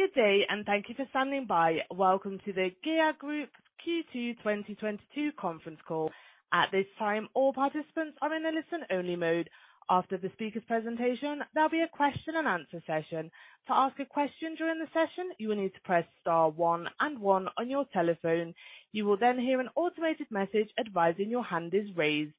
Good day and thank you for standing by. Welcome to the GEA Group Q2 2022 conference call. At this time, all participants are in a listen-only mode. After the speaker's presentation, there'll be a question and answer session. To ask a question during the session, you will need to press star one and one on your telephone. You will then hear an automated message advising your hand is raised.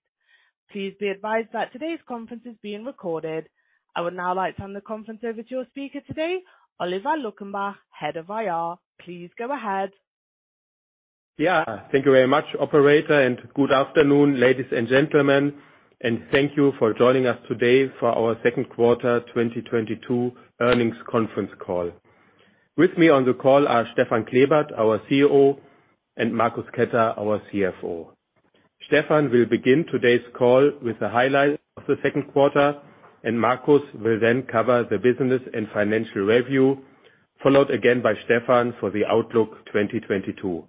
Please be advised that today's conference is being recorded. I would now like to turn the conference over to your speaker today, Oliver Luckenbach, Head of IR. Please go ahead. Yeah, thank you very much, operator, and good afternoon, ladies and gentlemen, and thank you for joining us today for our Q2 2022 earnings conference call. With me on the call are Stefan Klebert, our CEO, and Marcus Ketter, our CFO. Stefan will begin today's call with the highlight of the Q2, and Markus will then cover the business and financial review, followed again by Stefan for the outlook 2022.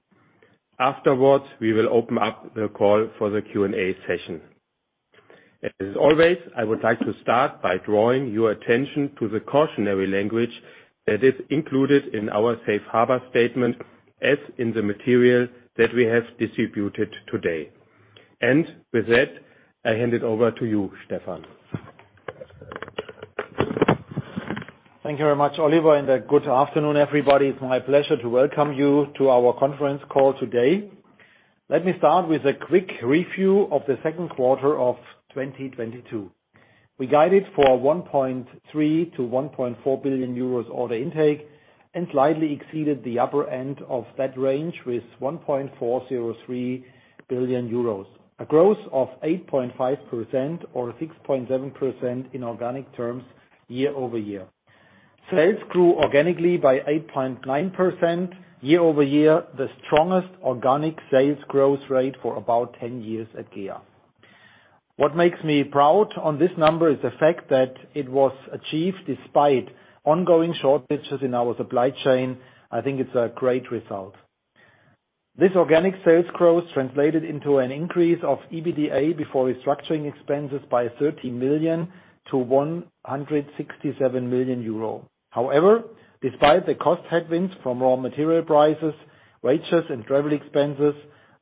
Afterwards, we will open up the call for the Q&A session. As always, I would like to start by drawing your attention to the cautionary language that is included in our safe harbor statement, as in the material that we have distributed today. With that, I hand it over to you, Stefan. Thank you very much, Oliver, and good afternoon, everybody. It's my pleasure to welcome you to our conference call today. Let me start with a quick review of the Q2 of 2022. We guided for 1.3 billion-1.4 billion euros order intake and slightly exceeded the upper end of that range with 1.403 billion euros, a growth of 8.5% or 6.7% in organic terms year-over-year. Sales grew organically by 8.9% year-over-year, the strongest organic sales growth rate for about 10 years at GEA. What makes me proud on this number is the fact that it was achieved despite ongoing shortages in our supply chain. I think it's a great result. This organic sales growth translated into an increase of EBITDA before restructuring expenses by 13 million to 167 million euro. However, despite the cost headwinds from raw material prices, wages, and travel expenses,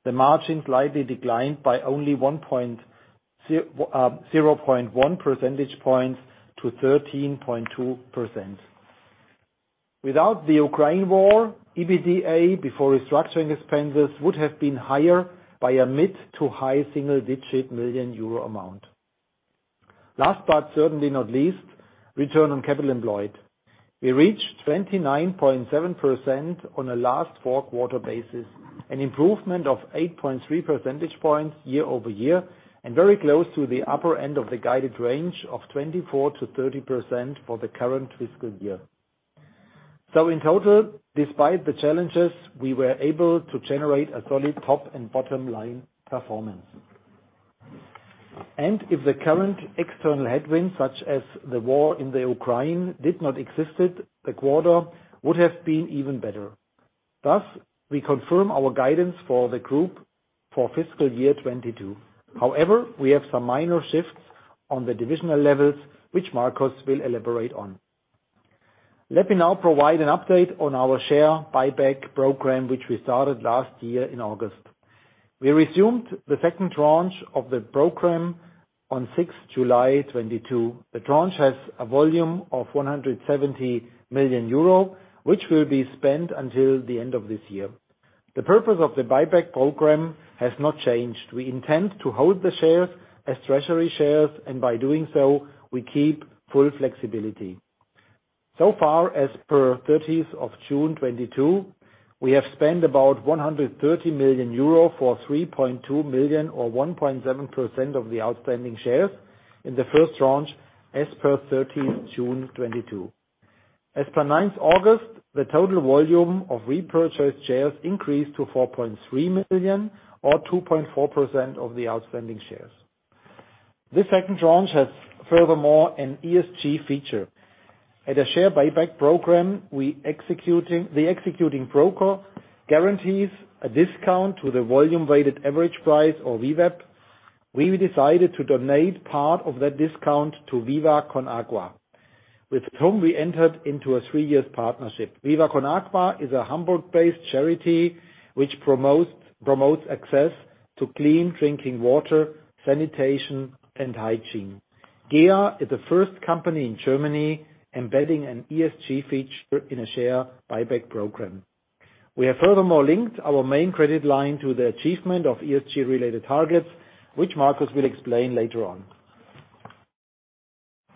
the margin slightly declined by only 0.1 percentage points to 13.2%. Without the Ukraine war, EBITDA before restructuring expenses would have been higher by a mid- to high single-digit million EUR amount. Last but certainly not least, return on capital employed. We reached 29.7% on a last four-quarter basis, an improvement of 8.3 percentage points year-over-year, and very close to the upper end of the guided range of 24%-30% for the current fiscal year. In total, despite the challenges, we were able to generate a solid top and bottom line performance. If the current external headwinds, such as the war in Ukraine, did not exist, the quarter would have been even better. Thus, we confirm our guidance for the group for fiscal year 2022. However, we have some minor shifts on the divisional levels, which Marcus will elaborate on. Let me now provide an update on our share buyback program, which we started last year in August. We resumed the second tranche of the program on 6 July 2022. The tranche has a volume of 170 million euro, which will be spent until the end of this year. The purpose of the buyback program has not changed. We intend to hold the shares as treasury shares, and by doing so, we keep full flexibility. Far, as per 30 June 2022, we have spent about 130 million euro for 3.2 million or 1.7% of the outstanding shares in the first tranche as per 13 June 2022. As per 9 August, the total volume of repurchased shares increased to 4.3 million or 2.4% of the outstanding shares. This second tranche has furthermore an ESG feature. At a share buyback program, the executing broker guarantees a discount to the volume-weighted average price or VWAP. We decided to donate part of that discount to Viva con Agua, with whom we entered into a three-year partnership. Viva con Agua is a Hamburg-based charity which promotes access to clean drinking water, sanitation, and hygiene. GEA is the first company in Germany embedding an ESG feature in a share buyback program. We have furthermore linked our main credit line to the achievement of ESG related targets, which Marcus will explain later on.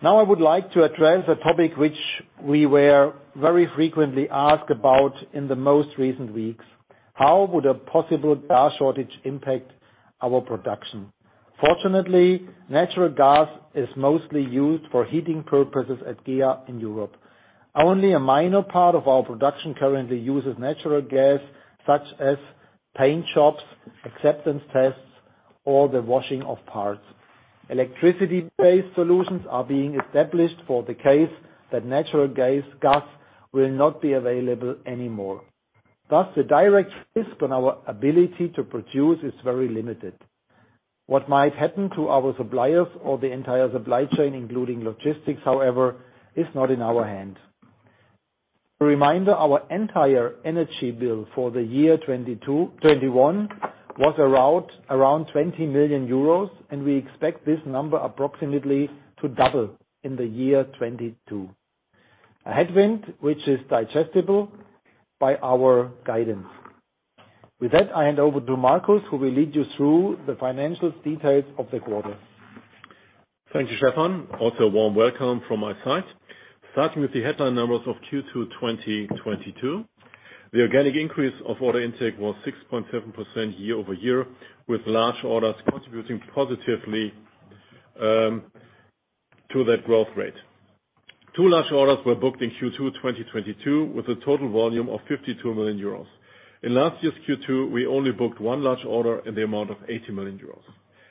Now I would like to address a topic which we were very frequently asked about in the most recent weeks. How would a possible gas shortage impact our production? Fortunately, natural gas is mostly used for heating purposes at GEA in Europe. Only a minor part of our production currently uses natural gas, such as paint shops, acceptance tests, or the washing of parts. Electricity-based solutions are being established for the case that natural gas will not be available anymore. Thus, the direct risk on our ability to produce is very limited. What might happen to our suppliers or the entire supply chain, including logistics, however, is not in our hand. A reminder, our entire energy bill for the year 2021 was around 20 million euros, and we expect this number approximately to double in the year 2022. A headwind which is digestible by our guidance. With that, I hand over to Marcus, who will lead you through the financial details of the quarter. Thank you, Stefan. Also warm welcome from my side. Starting with the headline numbers of Q2 2022, the organic increase of order intake was 6.7% year-over-year, with large orders contributing positively to that growth rate. 2 large orders were booked in Q2 2022, with a total volume of 52 million euros. In last year's Q2, we only booked one large order in the amount of 80 million euros.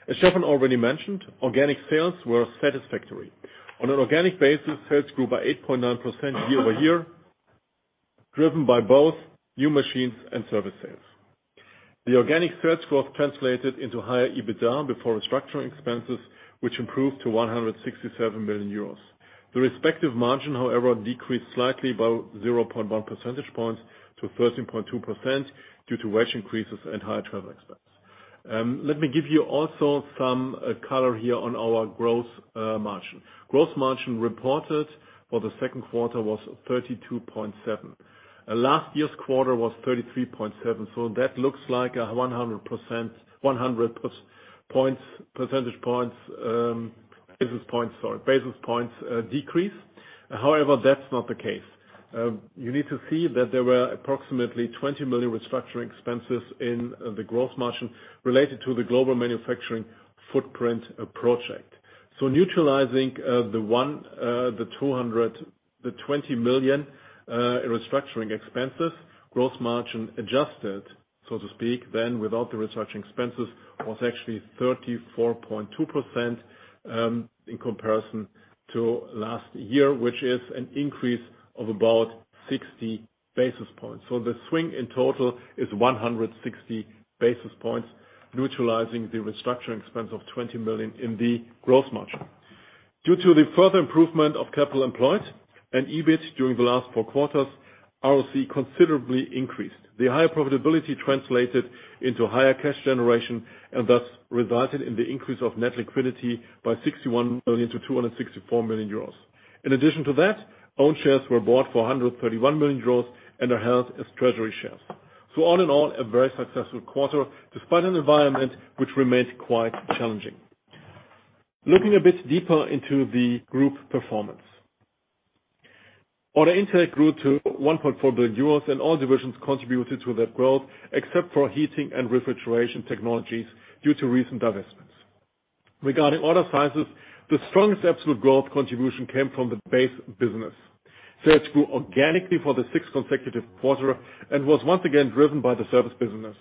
As Stefan already mentioned, organic sales were satisfactory. On an organic basis, sales grew by 8.9% year-over-year, driven by both new machines and service sales. The organic sales growth translated into higher EBITDA before restructuring expenses, which improved to 167 million euros. The respective margin, however, decreased slightly by 0.1 percentage points to 13.2% due to wage increases and higher travel expense. Let me give you also some color here on our gross margin. Gross margin reported for the Q2 was 32.7. Last year's quarter was 33.7, so that looks like a 100 basis points decrease. However, that's not the case. You need to see that there were approximately 20 million restructuring expenses in the gross margin related to the global manufacturing footprint approach. Neutralizing the 20 million in restructuring expenses, gross margin adjusted, so to speak, then without the restructuring expenses, was actually 34.2%, in comparison to last year, which is an increase of about 60 basis points. The swing in total is 160 basis points, neutralizing the restructuring expense of 20 million in the gross margin. Due to the further improvement of capital employed and EBIT during the last four quarters, ROCE considerably increased. The higher profitability translated into higher cash generation and thus resulted in the increase of net liquidity by EUR 61 million to EUR 264 million. In addition to that, own shares were bought for EUR 131 million and are held as treasury shares. All in all, a very successful quarter, despite an environment which remained quite challenging. Looking a bit deeper into the group performance. Order intake grew to 1.4 billion euros, and all divisions contributed to that growth, except for Heating & Refrigeration Technologies due to recent divestments. Regarding order sizes, the strongest absolute growth contribution came from the base business. Sales grew organically for the sixth consecutive quarter and was once again driven by the service business.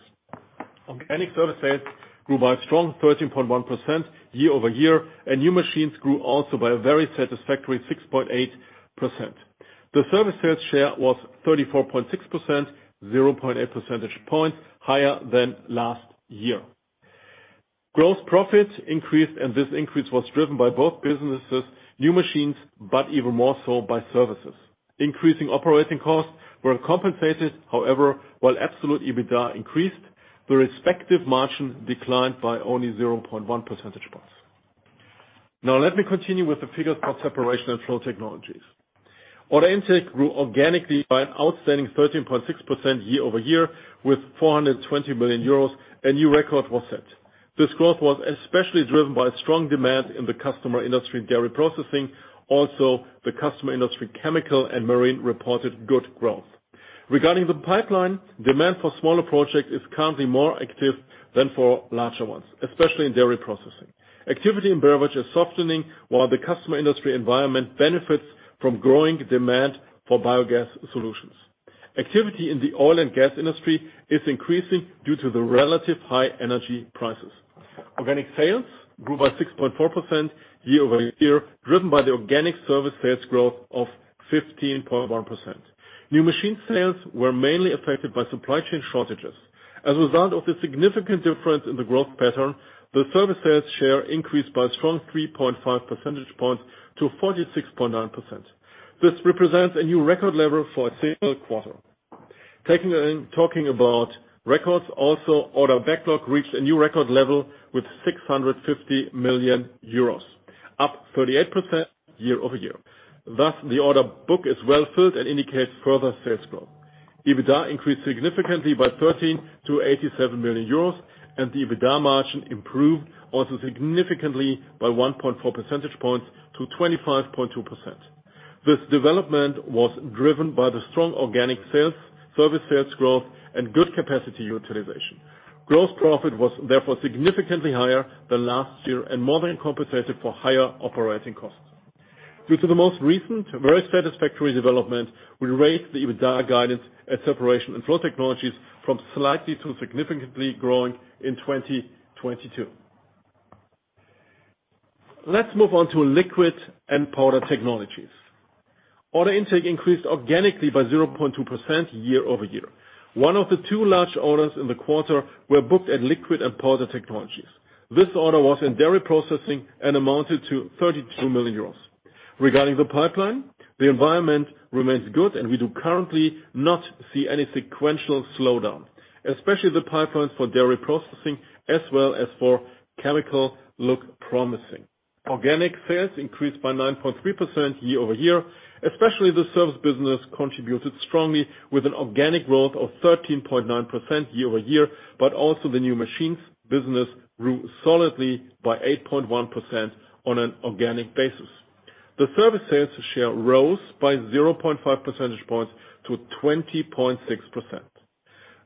Organic service sales grew by a strong 13.1% year-over-year, and new machines grew also by a very satisfactory 6.8%. The service sales share was 34.6%, 0.8 percentage points higher than last year. Gross profits increased, and this increase was driven by both businesses, new machines, but even more so by services. Increasing operating costs were compensated, however, while absolute EBITDA increased, the respective margin declined by only 0.1 percentage points. Now let me continue with the figures for Separation & Flow Technologies. Order intake grew organically by an outstanding 13.6% year-over-year, with 420 million euros, a new record was set. This growth was especially driven by strong demand in the customer industry dairy processing. Also, the customer industry chemical and marine reported good growth. Regarding the pipeline, demand for smaller projects is currently more active than for larger ones, especially in dairy processing. Activity in beverage is softening while the customer industry environment benefits from growing demand for biogas solutions. Activity in the oil and gas industry is increasing due to the relative high energy prices. Organic sales grew by 6.4% year-over-year, driven by the organic service sales growth of 15.1%. New machine sales were mainly affected by supply chain shortages. As a result of the significant difference in the growth pattern, the service sales share increased by a strong 3.5 percentage point to 46.9%. This represents a new record level for a single quarter. Talking about records also, order backlog reached a new record level with 650 million euros, up 38% year-over-year. Thus, the order book is well filled and indicates further sales growth. EBITDA increased significantly by 13 to 87 million euros, and the EBITDA margin improved also significantly by 1.4 percentage points to 25.2%. This development was driven by the strong organic sales, service sales growth, and good capacity utilization. Gross profit was therefore significantly higher than last year and more than compensated for higher operating costs. Due to the most recent very satisfactory development, we raised the EBITDA guidance at Separation & Flow Technologies from slightly to significantly growing in 2022. Let's move on to Liquid & Powder Technologies. Order intake increased organically by 0.2% year-over-year. One of the two large orders in the quarter were booked at Liquid & Powder Technologies. This order was in dairy processing and amounted to 32 million euros. Regarding the pipeline, the environment remains good, and we do currently not see any sequential slowdown, especially the pipelines for dairy processing as well as for chemicals look promising. Organic sales increased by 9.3% year-over-year, especially the service business contributed strongly with an organic growth of 13.9% year-over-year, but also the new machines business grew solidly by 8.1% on an organic basis. The service sales share rose by 0.5 percentage points to 20.6%.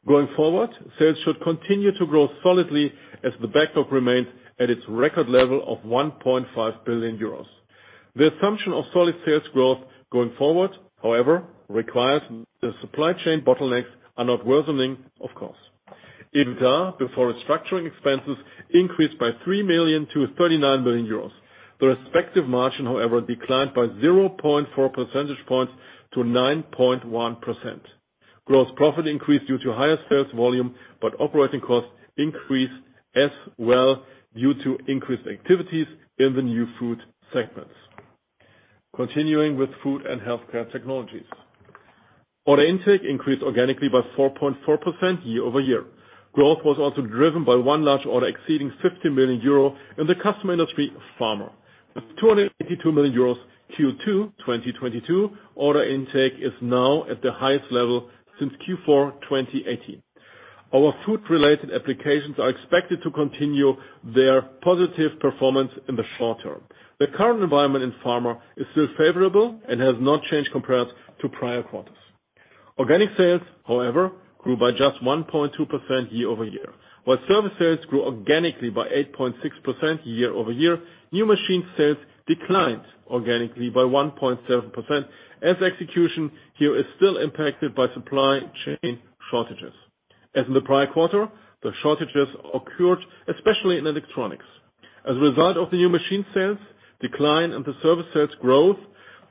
Going forward, sales should continue to grow solidly as the backlog remains at its record level of 1.5 billion euros. The assumption of solid sales growth going forward, however, requires the supply chain bottlenecks are not worsening, of course. EBITDA before restructuring expenses increased by 3 million to 39 billion euros. The respective margin, however, declined by 0.4 percentage points to 9.1%. Gross profit increased due to higher sales volume, but operating costs increased as well due to increased activities in the new food segments. Continuing with Food and Healthcare Technologies. Order intake increased organically by 4.4% year-over-year. Growth was also driven by one large order exceeding EUR 50 million in the customer industry pharma. With EUR 282 million, Q2 2022 order intake is now at the highest level since Q4 2018. Our food-related applications are expected to continue their positive performance in the short term. The current environment in pharma is still favorable and has not changed compared to prior quarters. Organic sales, however, grew by just 1.2% year-over-year. While service sales grew organically by 8.6% year-over-year, new machine sales declined organically by 1.7% as execution here is still impacted by supply chain shortages. As in the prior quarter, the shortages occurred, especially in electronics. As a result of the new machine sales decline and the service sales growth,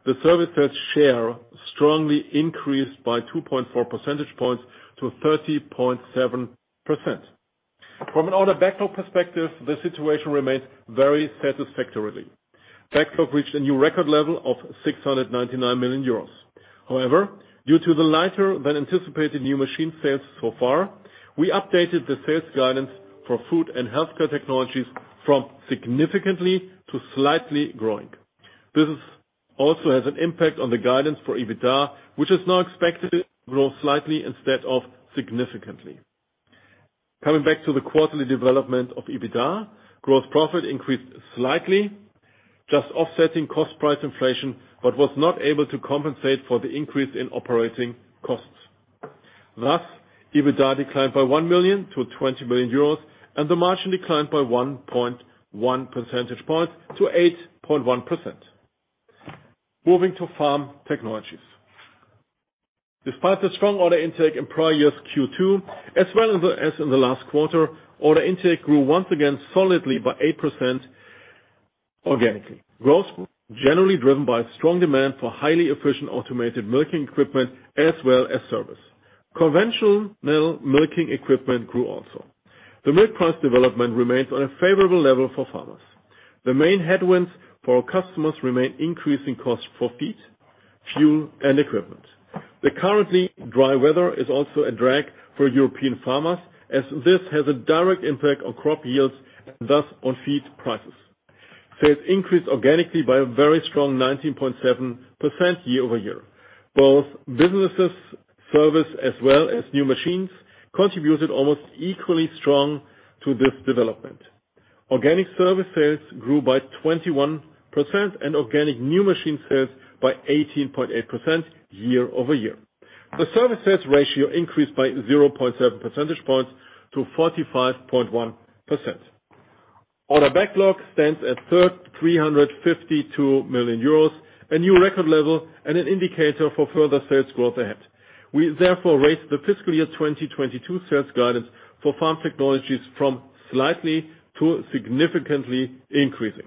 the service sales share strongly increased by 2.4 percentage points to 30.7%. From an order backlog perspective, the situation remains very satisfactory. Backlog reached a new record level of 699 million euros. However, due to the lighter than anticipated new machine sales so far, we updated the sales guidance for Food and Healthcare Technologies from significantly to slightly growing. Business also has an impact on the guidance for EBITDA, which is now expected to grow slightly instead of significantly. Coming back to the quarterly development of EBITDA, gross profit increased slightly, just offsetting cost price inflation, but was not able to compensate for the increase in operating costs. Thus, EBITDA declined by 1 million to 20 million euros, and the margin declined by 1.1 percentage points to 8.1%. Moving to Farm Technologies. Despite the strong order intake in prior years Q2, as in the last quarter, order intake grew once again solidly by 8% organically. Growth generally driven by strong demand for highly efficient automated milking equipment as well as service. Conventional milking equipment grew also. The milk price development remains on a favorable level for farmers. The main headwinds for our customers remain increasing costs for feed, fuel, and equipment. The currently dry weather is also a drag for European farmers as this has a direct impact on crop yields, thus on feed prices. Sales increased organically by a very strong 19.7% year-over-year. Both businesses service as well as new machines contributed almost equally strong to this development. Organic service sales grew by 21% and organic new machine sales by 18.8% year-over-year. The service sales ratio increased by 0.7 percentage points to 45.1%. Order backlog stands at 352 million euros, a new record level and an indicator for further sales growth ahead. We therefore raised the fiscal year 2022 sales guidance for Farm Technologies from slightly to significantly increasing.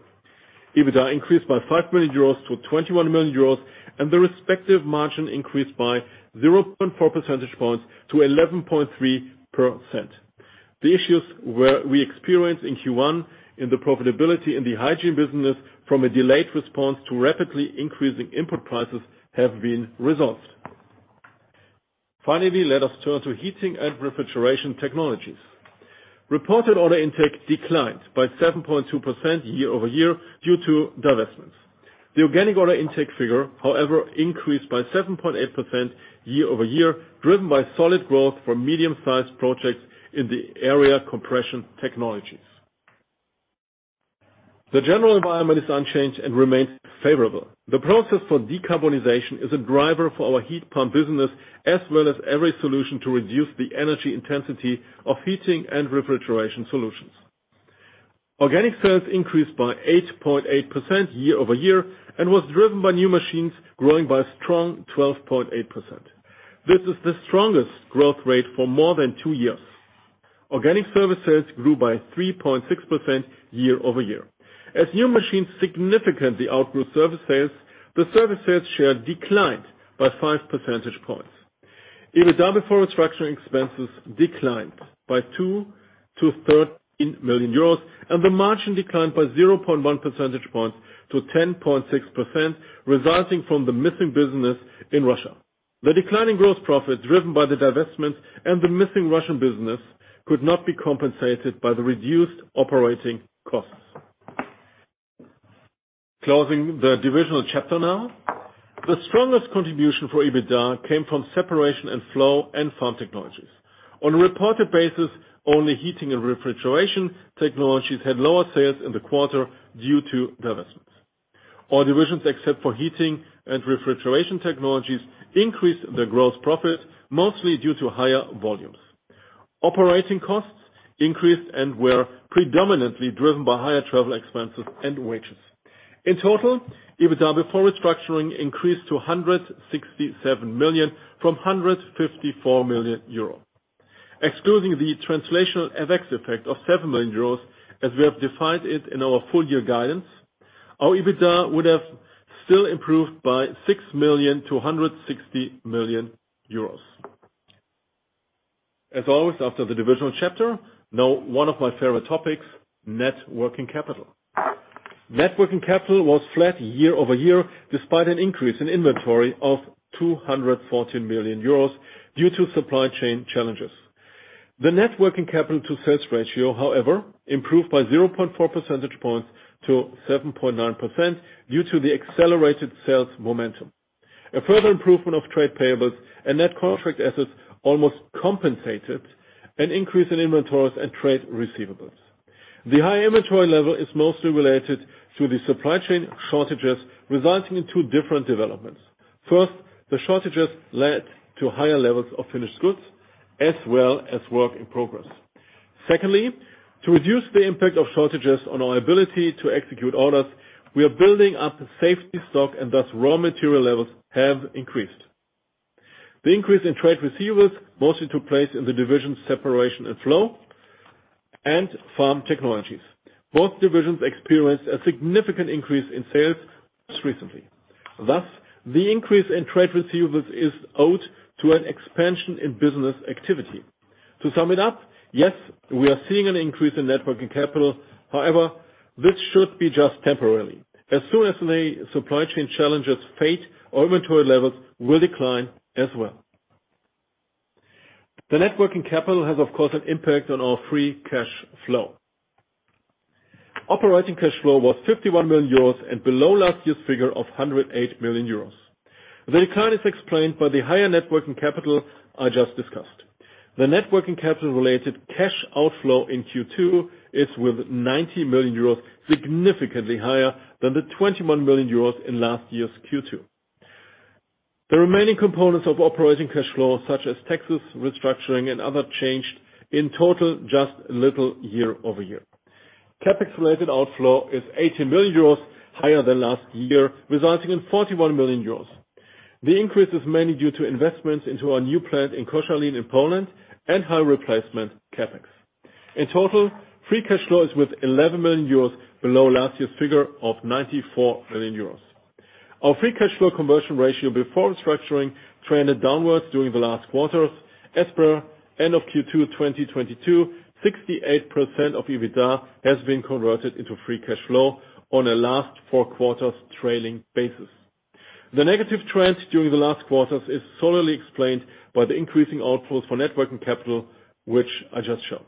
EBITDA increased by 5 million euros to 21 million euros, and the respective margin increased by 0.4 percentage points to 11.3%. The issues where we experienced in Q1 in the profitability in the hygiene business from a delayed response to rapidly increasing input prices have been resolved. Finally, let us turn to Heating and Refrigeration Technologies. Reported order intake declined by 7.2% year-over-year due to divestments. The organic order intake figure, however, increased by 7.8% year-over-year, driven by solid growth for medium-sized projects in the area compression technologies. The general environment is unchanged and remains favorable. The process for decarbonization is a driver for our heat pump business as well as every solution to reduce the energy intensity of heating and refrigeration solutions. Organic sales increased by 8.8% year-over-year and was driven by new machines growing by a strong 12.8%. This is the strongest growth rate for more than two years. Organic service sales grew by 3.6% year-over-year. As new machines significantly outgrew service sales, the service sales share declined by five percentage points. EBITDA before restructuring expenses declined by 2 million euros to 13 million euros, and the margin declined by 0.1 percentage points to 10.6%, resulting from the missing business in Russia. The decline in gross profit, driven by the divestment and the missing Russian business, could not be compensated by the reduced operating costs. Closing the divisional chapter now. The strongest contribution for EBITDA came from Separation & Flow Technologies and Farm Technologies. On a reported basis, only Heating & Refrigeration Technologies had lower sales in the quarter due to divestments. All divisions except for Heating & Refrigeration Technologies increased their gross profit, mostly due to higher volumes. Operating costs increased and were predominantly driven by higher travel expenses and wages. In total, EBITDA before restructuring increased to 167 million from 154 million euros. Excluding the translational FX effect of 7 million euros, as we have defined it in our full year guidance, our EBITDA would have still improved by 6 million to 160 million euros. As always, after the divisional chapter, now one of my favorite topics, net working capital. Net working capital was flat year-over-year despite an increase in inventory of 240 million euros due to supply chain challenges. The net working capital to sales ratio, however, improved by 0.4 percentage points to 7.9% due to the accelerated sales momentum. A further improvement of trade payables and net contract assets almost compensated an increase in inventories and trade receivables. The high inventory level is mostly related to the supply chain shortages resulting in two different developments. First, the shortages led to higher levels of finished goods as well as work in progress. Secondly, to reduce the impact of shortages on our ability to execute orders, we are building up a safety stock, and thus, raw material levels have increased. The increase in trade receivables mostly took place in the division Separation & Flow Technologies and Farm Technologies. Both divisions experienced a significant increase in sales most recently. Thus, the increase in trade receivables is owed to an expansion in business activity. To sum it up, yes, we are seeing an increase in net working capital. However, this should be just temporarily. As soon as the supply chain challenges fade, our inventory levels will decline as well. The net working capital has, of course, an impact on our free cash flow. Operating cash flow was 51 million euros and below last year's figure of 108 million euros. The decline is explained by the higher net working capital I just discussed. The net working capital-related cash outflow in Q2 is, with 90 million euros, significantly higher than the 21 million euros in last year's Q2. The remaining components of operating cash flow, such as taxes, restructuring, and other change, in total, just a little year-over-year. CapEx-related outflow is EUR 18 million higher than last year, resulting in EUR 41 million. The increase is mainly due to investments into our new plant in Koszalin in Poland and high replacement CapEx. In total, free cash flow is worth 11 million euros below last year's figure of 94 million euros. Our free cash flow conversion ratio before restructuring trended downwards during the last quarters. As per end of Q2 2022, 68% of EBITDA has been converted into free cash flow on a last four quarters trailing basis. The negative trends during the last quarters is solely explained by the increasing outflows for net working capital, which I just showed.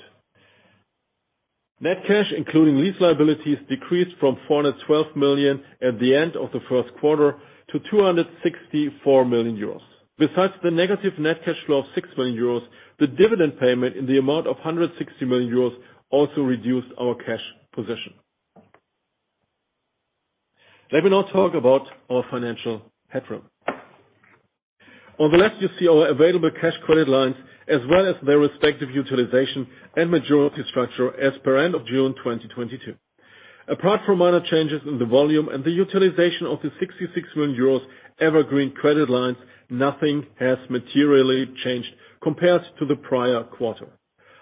Net cash, including lease liabilities, decreased from 412 million at the end of the Q1 to 264 million euros. Besides the negative net cash flow of 6 million euros, the dividend payment in the amount of 160 million euros also reduced our cash position. Let me now talk about our financial headroom. On the left you see our available cash credit lines as well as their respective utilization and maturity structure as per end of June 2022. Apart from minor changes in the volume and the utilization of the EUR 66 million evergreen credit lines, nothing has materially changed compared to the prior quarter.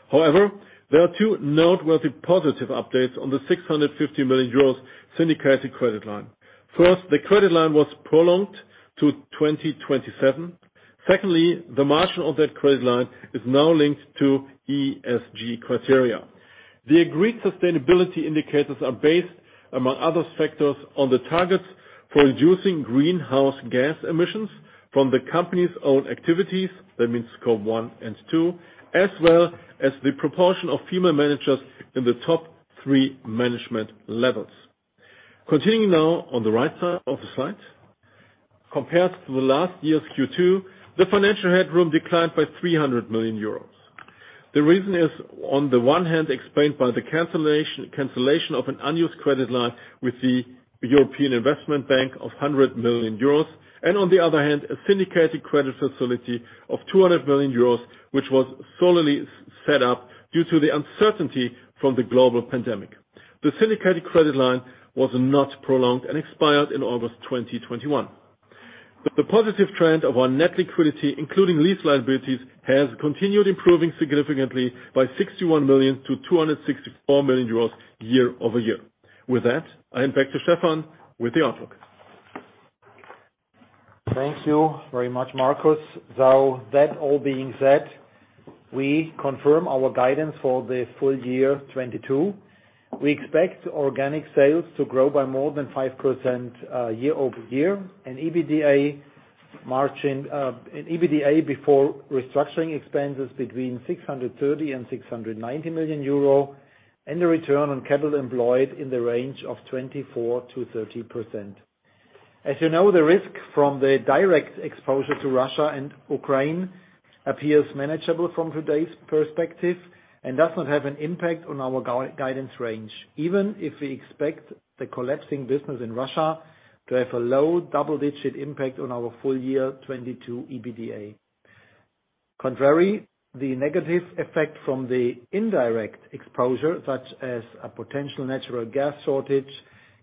However, there are two noteworthy positive updates on the 650 million euros syndicated credit line. First, the credit line was prolonged to 2027. Secondly, the margin of that credit line is now linked to ESG criteria. The agreed sustainability indicators are based, among other factors, on the targets for reducing greenhouse gas emissions from the company's own activities, that means scope one and two, as well as the proportion of female managers in the top three management levels. Continuing now on the right side of the slide. Compared to last year's Q2, the financial headroom declined by 300 million euros. The reason is, on the one hand, explained by the cancellation of an unused credit line with the European Investment Bank of 100 million euros, and on the other hand, a syndicated credit facility of 200 million euros, which was solely set up due to the uncertainty from the global pandemic. The syndicated credit line was not prolonged and expired in August 2021. The positive trend of our net liquidity, including lease liabilities, has continued improving significantly by EUR 61 million to EUR 264 million year-over-year. With that, I hand back to Stefan with the outlook. Thank you very much, Marcus. That all being said, we confirm our guidance for the full year 2022. We expect organic sales to grow by more than 5%, year-over-year, and EBITDA margin and EBITDA before restructuring expenses between 630 million and 690 million euro, and the return on capital employed in the range of 24% to 30%. As you know, the risk from the direct exposure to Russia and Ukraine appears manageable from today's perspective and does not have an impact on our guidance range, even if we expect the collapsing business in Russia to have a low double-digit impact on our full year 2022 EBITDA. Contrary, the negative effect from the indirect exposure, such as a potential natural gas shortage,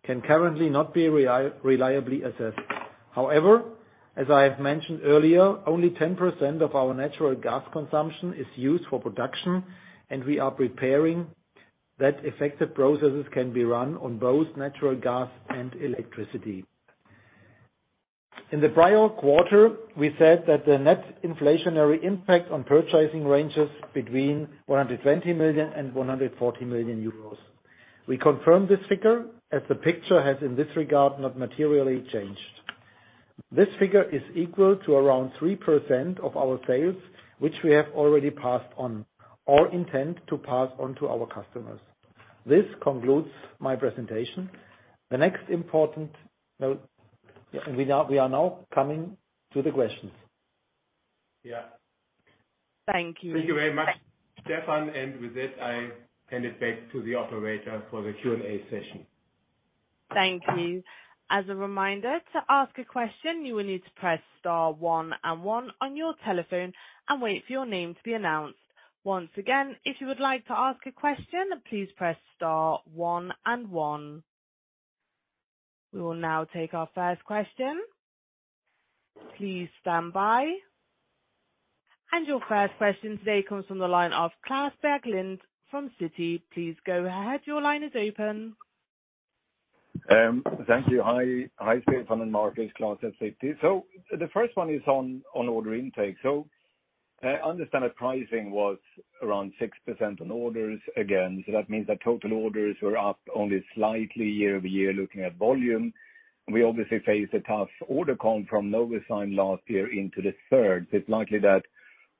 can currently not be reliably assessed. However, as I have mentioned earlier, only 10% of our natural gas consumption is used for production, and we are preparing that effective processes can be run on both natural gas and electricity. In the prior quarter, we said that the net inflationary impact on purchasing ranges between 120 million and 140 million euros. We confirm this figure as the picture has, in this regard, not materially changed. This figure is equal to around 3% of our sales, which we have already passed on or intend to pass on to our customers. This concludes my presentation. We are now coming to the questions. Yeah. Thank you. Thank you very much, Stefan, and with that, I hand it back to the operator for the Q&A session. Thank you. As a reminder, to ask a question, you will need to press star one and one on your telephone and wait for your name to be announced. Once again, if you would like to ask a question, please press star one and one. We will now take our first question. Please stand by. Your first question today comes from the line of Klas Bergelind from Citi. Please go ahead. Your line is open. Thank you. Hi, Stefan and Marcus. Klas at Citi. The first one is on order intake. I understand that pricing was around 6% on orders again, so that means that total orders were up only slightly year-over-year, looking at volume. We obviously faced a tough order coming from [Novo Nordisk] last year into the third. It's likely that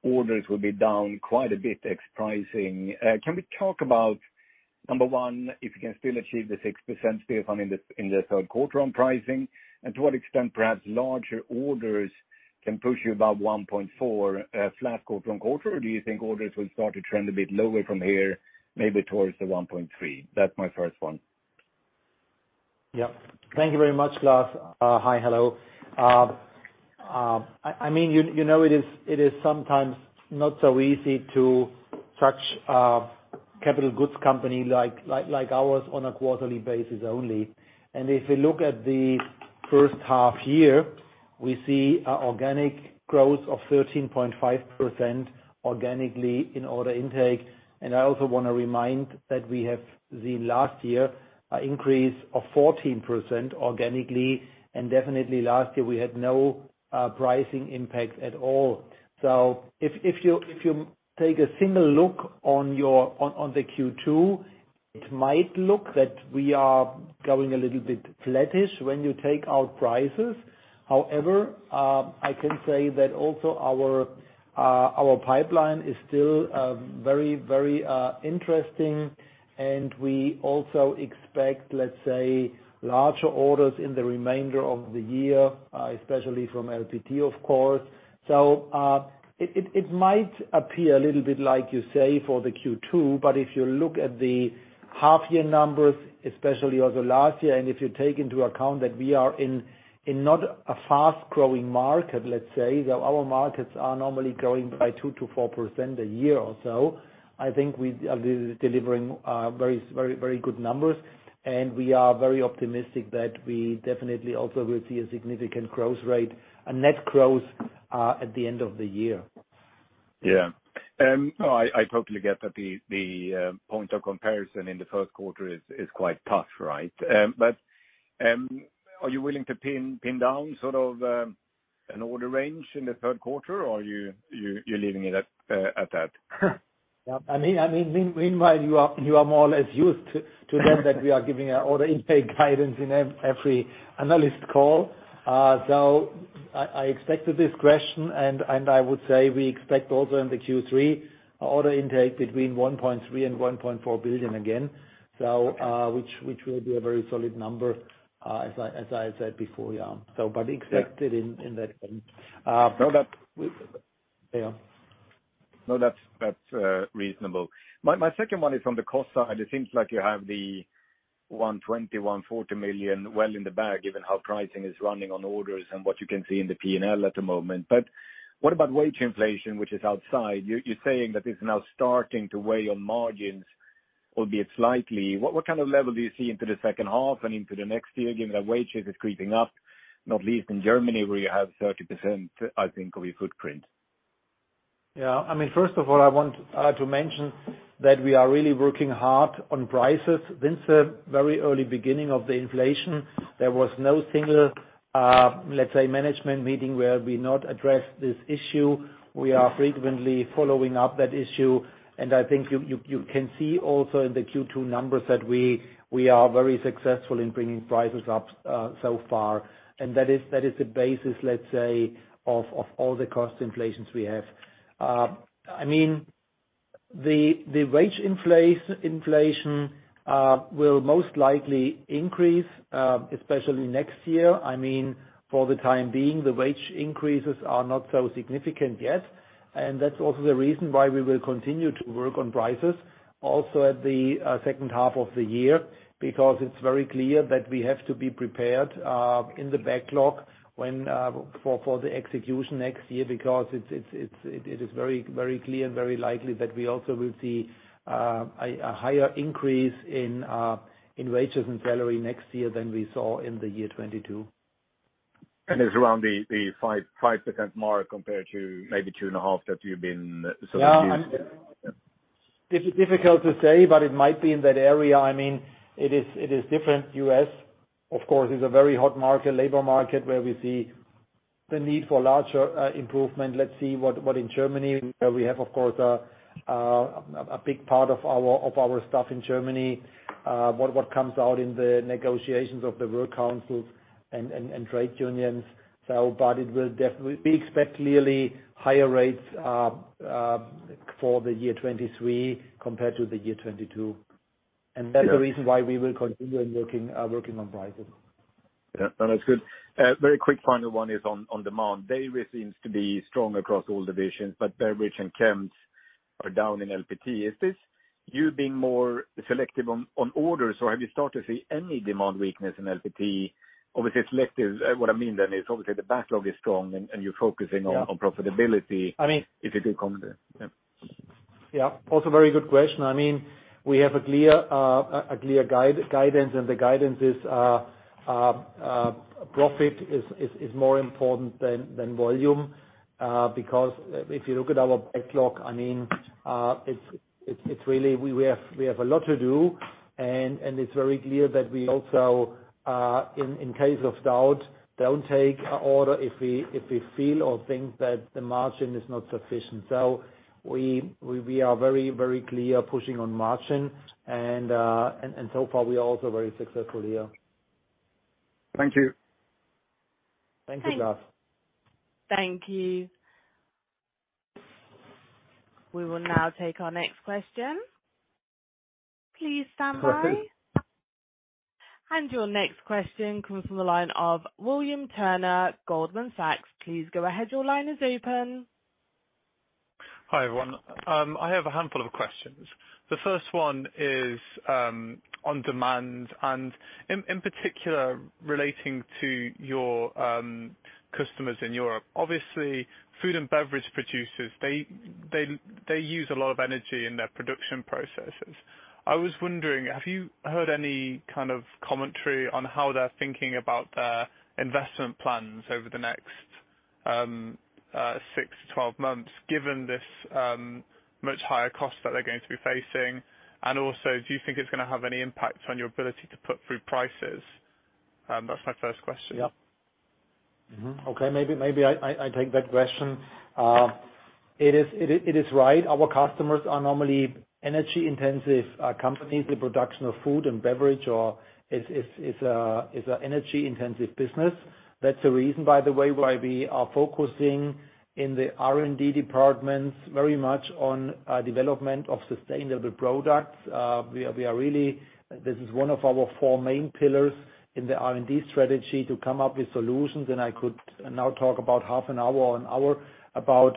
orders will be down quite a bit ex-pricing. Can we talk about, number one, if you can still achieve the 6%, Stefan, in the Q3 on pricing? And to what extent perhaps larger orders can push you above 1.4 flat quarter-on-quarter, or do you think orders will start to trend a bit lower from here, maybe towards the 1.3? That's my first one. Yeah. Thank you very much, Klas. Hi. Hello. I mean, you know, it is sometimes not so easy to touch a capital goods company like ours on a quarterly basis only. If you look at the H1 year, we see an organic growth of 13.5% organically in order intake. I also wanna remind that we have last year an increase of 14% organically, and definitely last year we had no pricing impact at all. If you take a single look on the Q2, it might look that we are going a little bit flattish when you take out prices. However, I can say that also our pipeline is still very interesting and we also expect, let's say, larger orders in the remainder of the year, especially from LPT, of course. It might appear a little bit like you say for the Q2, but if you look at the half year numbers, especially over last year, and if you take into account that we are in not a fast-growing market, let's say, though our markets are normally growing by 2% to 4% a year or so, I think we are delivering very good numbers and we are very optimistic that we definitely also will see a significant growth rate, a net growth, at the end of the year. Yeah. No, I totally get that the point of comparison in the Q1 is quite tough, right? Are you willing to pin down sort of an order range in the Q3, or you're leaving it at that? Yeah. I mean, meanwhile you are more or less used to them that we are giving our order intake guidance in every analyst call. I expected this question, and I would say we expect also in the Q3 order intake between 1.3 billion and 1.4 billion again. Which will be a very solid number, as I said before. Yeah. But expect it in that range. Yeah. Yeah. No, that's reasonable. My second one is on the cost side. It seems like you have the 120 million-140 million well in the bag, given how pricing is running on orders and what you can see in the P&L at the moment. What about wage inflation, which is outside? You're saying that it's now starting to weigh on margins. Albeit slightly. What kind of level do you see into the H2 and into the next year, given that wage is creeping up, not least in Germany, where you have 30%, I think, of your footprint? Yeah. I mean, first of all, I want to mention that we are really working hard on prices. Since the very early beginning of the inflation, there was no single, let's say, management meeting where we not address this issue. We are frequently following up that issue. I think you can see also in the Q2 numbers that we are very successful in bringing prices up, so far. That is the basis, let's say, of all the cost inflations we have. I mean, the wage inflation will most likely increase, especially next year. I mean, for the time being, the wage increases are not so significant yet. That's also the reason why we will continue to work on prices also at the H2 of the year, because it is very clear that we have to be prepared in the backlog for the execution next year. It is very, very clear and very likely that we also will see a higher increase in wages and salary next year than we saw in the year 2022. It's around the 5% mark compared to maybe 2.5% that you've been sort of used to? Yeah. Difficult to say, but it might be in that area. I mean, it is different. U.S., of course, is a very hot market, labor market, where we see the need for larger improvement. Let's see what in Germany, where we have, of course, a big part of our staff in Germany, what comes out in the negotiations of the work councils and trade unions. It will. We expect clearly higher rates for the year 2023 compared to the year 2022. Yeah. That's the reason why we will continue working on prices. Yeah. No, that's good. Very quick final one is on demand. Dairy seems to be strong across all divisions, but beverage and chem are down in LPT. Is this you being more selective on orders, or have you started to see any demand weakness in LPT? Obviously selective, what I mean then is obviously the backlog is strong and you're focusing. Yeah. on profitability. I mean. If you could comment. Yeah. Yeah. Also very good question. I mean, we have a clear guidance, and the guidance is profit is more important than volume. Because if you look at our backlog, I mean, it's really. We have a lot to do and it's very clear that we also in case of doubt don't take an order if we feel or think that the margin is not sufficient. We are very clear pushing on margin and so far we are also very successful here. Thank you. Thank you, Klas. Thank you. We will now take our next question. Please stand by. Perfect. Your next question comes from the line of William Turner, Goldman Sachs. Please go ahead. Your line is open. Hi, everyone. I have a handful of questions. The first one is on demand and in particular relating to your customers in Europe. Obviously, food and beverage producers, they use a lot of energy in their production processes. I was wondering, have you heard any kind of commentary on how they're thinking about their investment plans over the next six, 12 months, given this much higher cost that they're going to be facing? And also, do you think it's gonna have any impact on your ability to put through prices? That's my first question. Maybe I take that question. It is right. Our customers are normally energy-intensive companies. The production of food and beverage or is a energy-intensive business. That's the reason, by the way, why we are focusing in the R&D departments very much on development of sustainable products. We are really. This is one of our four main pillars in the R&D strategy to come up with solutions, and I could now talk about half an hour or an hour about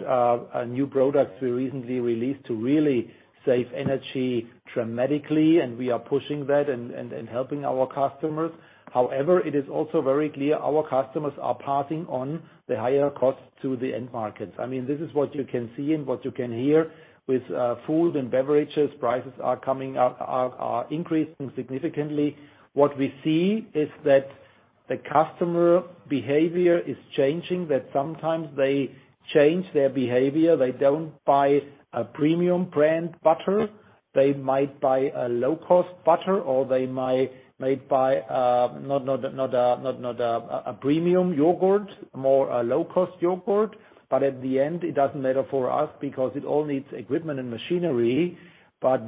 a new product we recently released to really save energy dramatically, and we are pushing that and helping our customers. However, it is also very clear our customers are passing on the higher cost to the end markets. I mean, this is what you can see and what you can hear with food and beverages. Prices are coming up, increasing significantly. What we see is that the customer behavior is changing, that sometimes they change their behavior. They don't buy a premium brand butter. They might buy a low-cost butter, or they might buy not a premium yogurt, more a low-cost yogurt. At the end, it doesn't matter for us because it all needs equipment and machinery.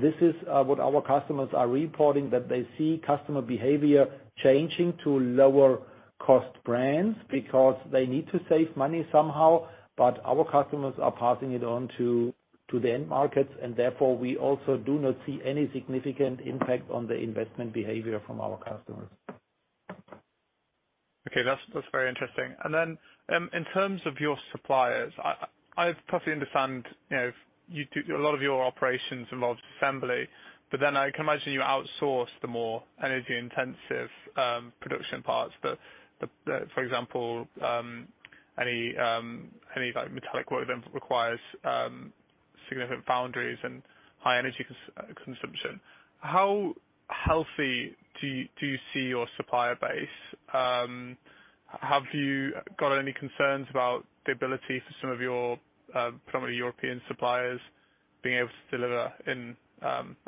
This is what our customers are reporting, that they see customer behavior changing to lower cost brands because they need to save money somehow. Our customers are passing it on to the end markets, and therefore, we also do not see any significant impact on the investment behavior from our customers. Okay. That's very interesting. In terms of your suppliers, I fully understand, you know, you do a lot of your operations involve assembly, but then I can imagine you outsource the more energy-intensive production parts. For example, any like metallic work that requires significant foundries and high energy consumption. How healthy do you see your supplier base? Have you got any concerns about the ability for some of your primarily European suppliers being able to deliver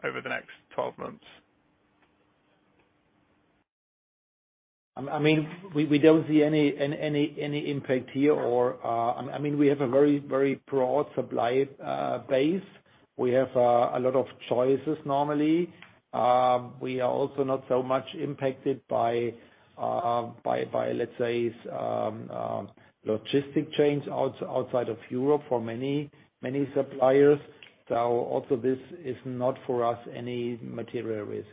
over the next 12 months? I mean, we don't see any impact here or, I mean, we have a very broad supply base. We have a lot of choices normally. We are also not so much impacted by, let's say, logistics chains outside of Europe for many suppliers. Also, this is not for us any material risk.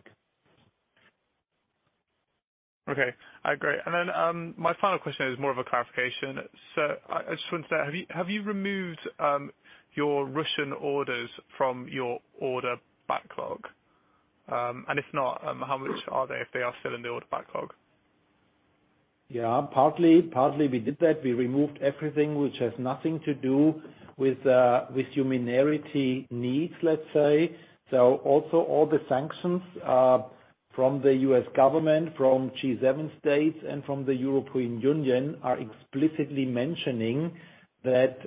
Okay. All right, great. My final question is more of a clarification. I just wonder, have you removed your Russian orders from your order backlog? If not, how much are they if they are still in the order backlog? Yeah. Partly, we did that. We removed everything which has nothing to do with humanitarian needs, let's say. Also all the sanctions from the U.S. government, from G7 states, and from the European Union are explicitly mentioning that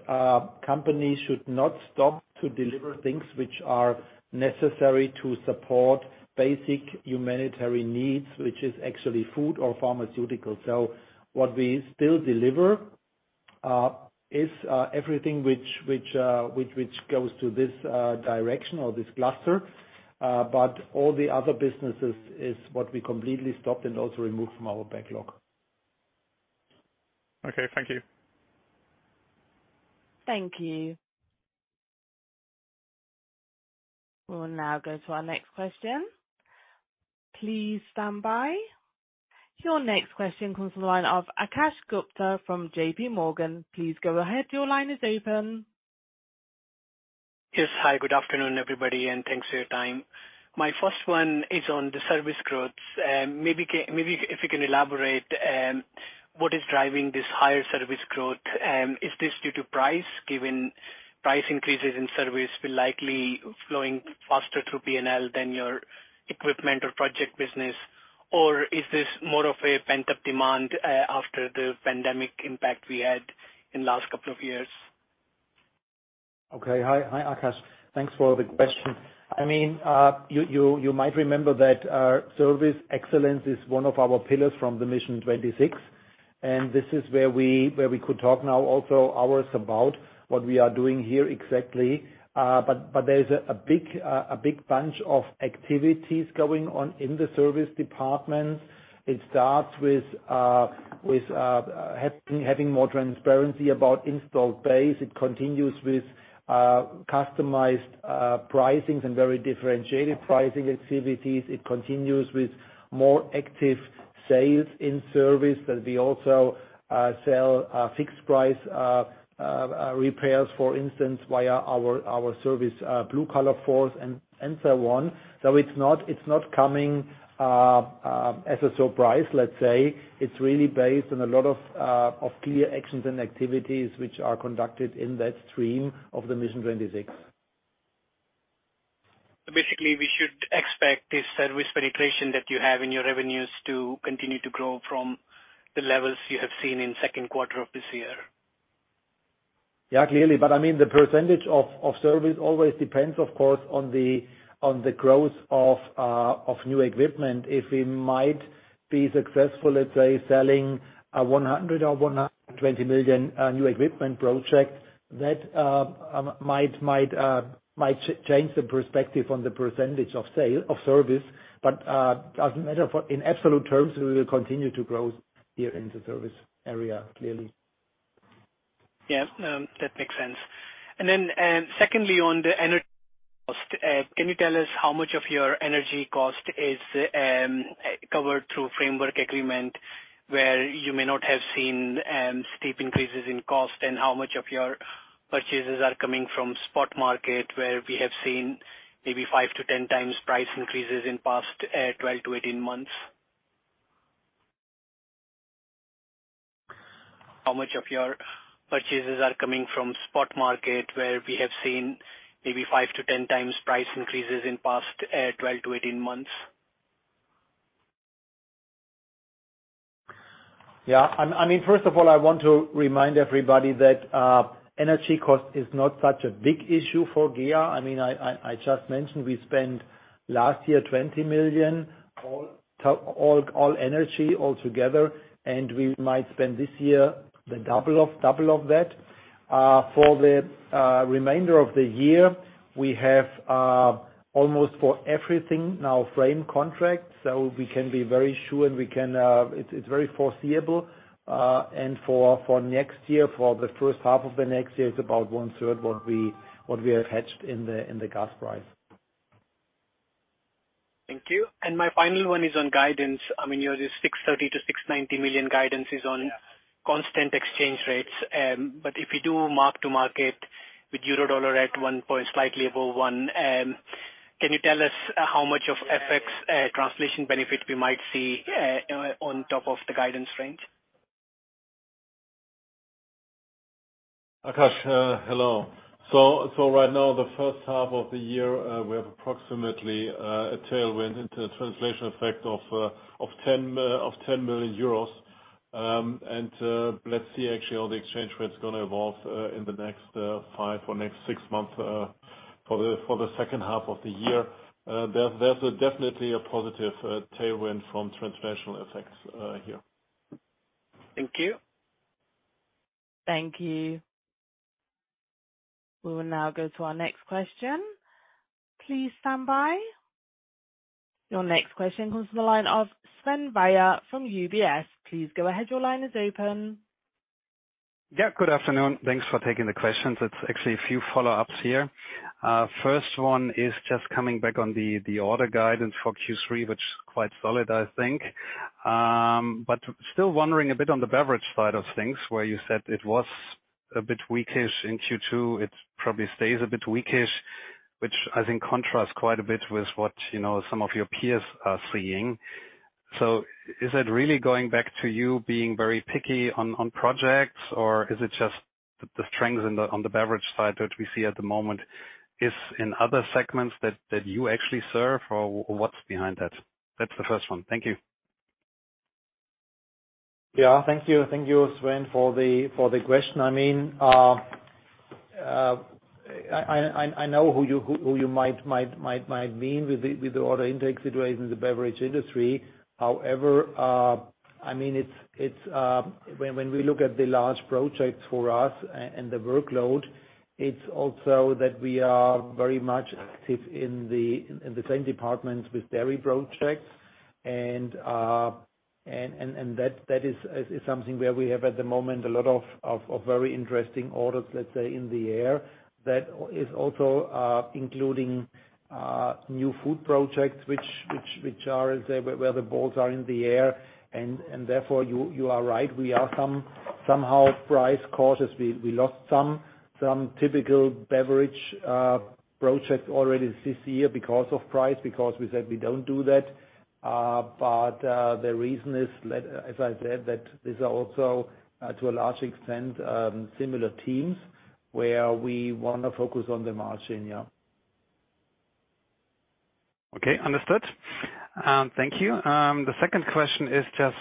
companies should not stop to deliver things which are necessary to support basic humanitarian needs, which is actually food or pharmaceutical. What we still deliver is everything which goes to this direction or this cluster. All the other businesses is what we completely stopped and also removed from our backlog. Okay. Thank you. Thank you. We'll now go to our next question. Please stand by. Your next question comes from the line of Akash Gupta from JPMorgan. Please go ahead. Your line is open. Yes. Hi, good afternoon, everybody, and thanks for your time. My first one is on the service growth. Maybe if you can elaborate, what is driving this higher service growth? Is this due to price, given price increases in service will likely flowing faster through P&L than your equipment or project business? Or is this more of a pent-up demand, after the pandemic impact we had in last couple of years? Okay. Hi, Akash. Thanks for the question. I mean, you might remember that service excellence is one of our pillars from the Mission 26, and this is where we could talk now also hours about what we are doing here exactly. There's a big bunch of activities going on in the service department. It starts with having more transparency about installed base. It continues with customized pricings and very differentiated pricing activities. It continues with more active sales in service that we also sell fixed price repairs, for instance, via our service Blue Color Force and so on. It's not coming as a surprise, let's say. It's really based on a lot of clear actions and activities which are conducted in that stream of the Mission 26. Basically, we should expect the service penetration that you have in your revenues to continue to grow from the levels you have seen in Q2 of this year. Yeah, clearly. I mean, the percentage of service always depends, of course, on the growth of new equipment. If we might be successful at, say, selling a 100 million or 120 million new equipment project, that might change the perspective on the percentage of sales of service. Doesn't matter, for in absolute terms, we will continue to grow here in the service area, clearly. Yeah. That makes sense. Secondly, on the energy cost, can you tell us how much of your energy cost is covered through framework agreement, where you may not have seen steep increases in cost, and how much of your purchases are coming from spot market, where we have seen maybe five to ten times price increases in past 12-18 months? Yeah. I mean, first of all, I want to remind everybody that energy cost is not such a big issue for GEA. I mean, I just mentioned we spent last year 20 million all told on energy altogether, and we might spend this year the double of that. For the remainder of the year, we have almost for everything now framework contracts, so we can be very sure and we can. It's very foreseeable. For next year, for the H1 of the next year, it's about one-third what we have hedged in the gas price. Thank you. My final one is on guidance. I mean, your, the 630 million-690 million guidance is on constant exchange rates. But if you do mark to market with euro dollar at 1.0 slightly above one, can you tell us how much of FX translation benefit we might see, you know, on top of the guidance range? Akash, hello. Right now, the H1 of the year, we have approximately a tailwind into the translation effect of 10 million euros. Let's see actually how the exchange rate's gonna evolve in the next five or six months for the H2 of the year. There's definitely a positive tailwind from translation effects here. Thank you. Thank you. We will now go to our next question. Please stand by. Your next question comes from the line of Sven Weier from UBS. Please go ahead. Your line is open. Yeah, good afternoon. Thanks for taking the questions. It's actually a few follow-ups here. First one is just coming back on the order guidance for Q3, which is quite solid I think. But still wondering a bit on the beverage side of things, where you said it was a bit weakish in Q2, it probably stays a bit weakish, which I think contrasts quite a bit with what, you know, some of your peers are seeing. Is that really going back to you being very picky on projects or is it just the trends on the beverage side that we see at the moment in other segments that you actually serve or what's behind that? That's the first one. Thank you. Yeah. Thank you. Thank you, Sven, for the question. I mean, I know who you might mean with the order intake situation in the beverage industry. However, I mean, it's. When we look at the large projects for us and the workload, it's also that we are very much active in the same departments with dairy projects and that is something where we have at the moment a lot of very interesting orders, let's say, in the air. That is also including new food projects which are, let's say where the balls are in the air and therefore you are right. We are somehow price cautious. We lost some typical beverage projects already this year because of price, because we said we don't do that. The reason is as I said, that these are also to a large extent similar teams where we wanna focus on the margin, yeah. Okay. Understood. Thank you. The second question is just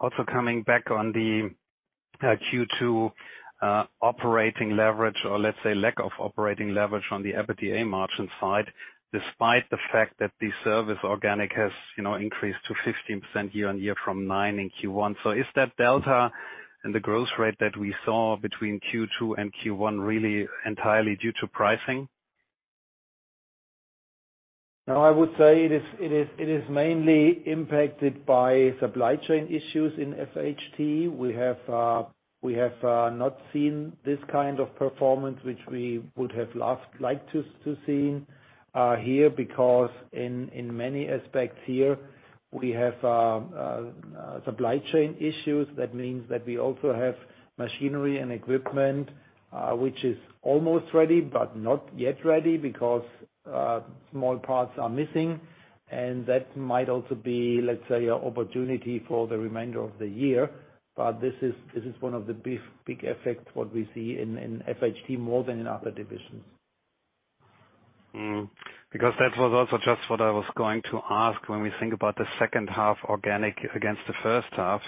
also coming back on the Q2 operating leverage or let's say lack of operating leverage on the EBITDA margin side, despite the fact that the service organic has, you know, increased to 15% year-on-year from 9% in Q1. Is that delta and the growth rate that we saw between Q2 and Q1 really entirely due to pricing? No, I would say it is mainly impacted by supply chain issues in FHT. We have not seen this kind of performance which we would have liked to see here because in many aspects here we have supply chain issues. That means that we also have machinery and equipment which is almost ready but not yet ready because small parts are missing. That might also be, let's say, an opportunity for the remainder of the year. This is one of the big effects what we see in FHT more than in other divisions. Because that was also just what I was going to ask when we think about the H2 organic against the H1.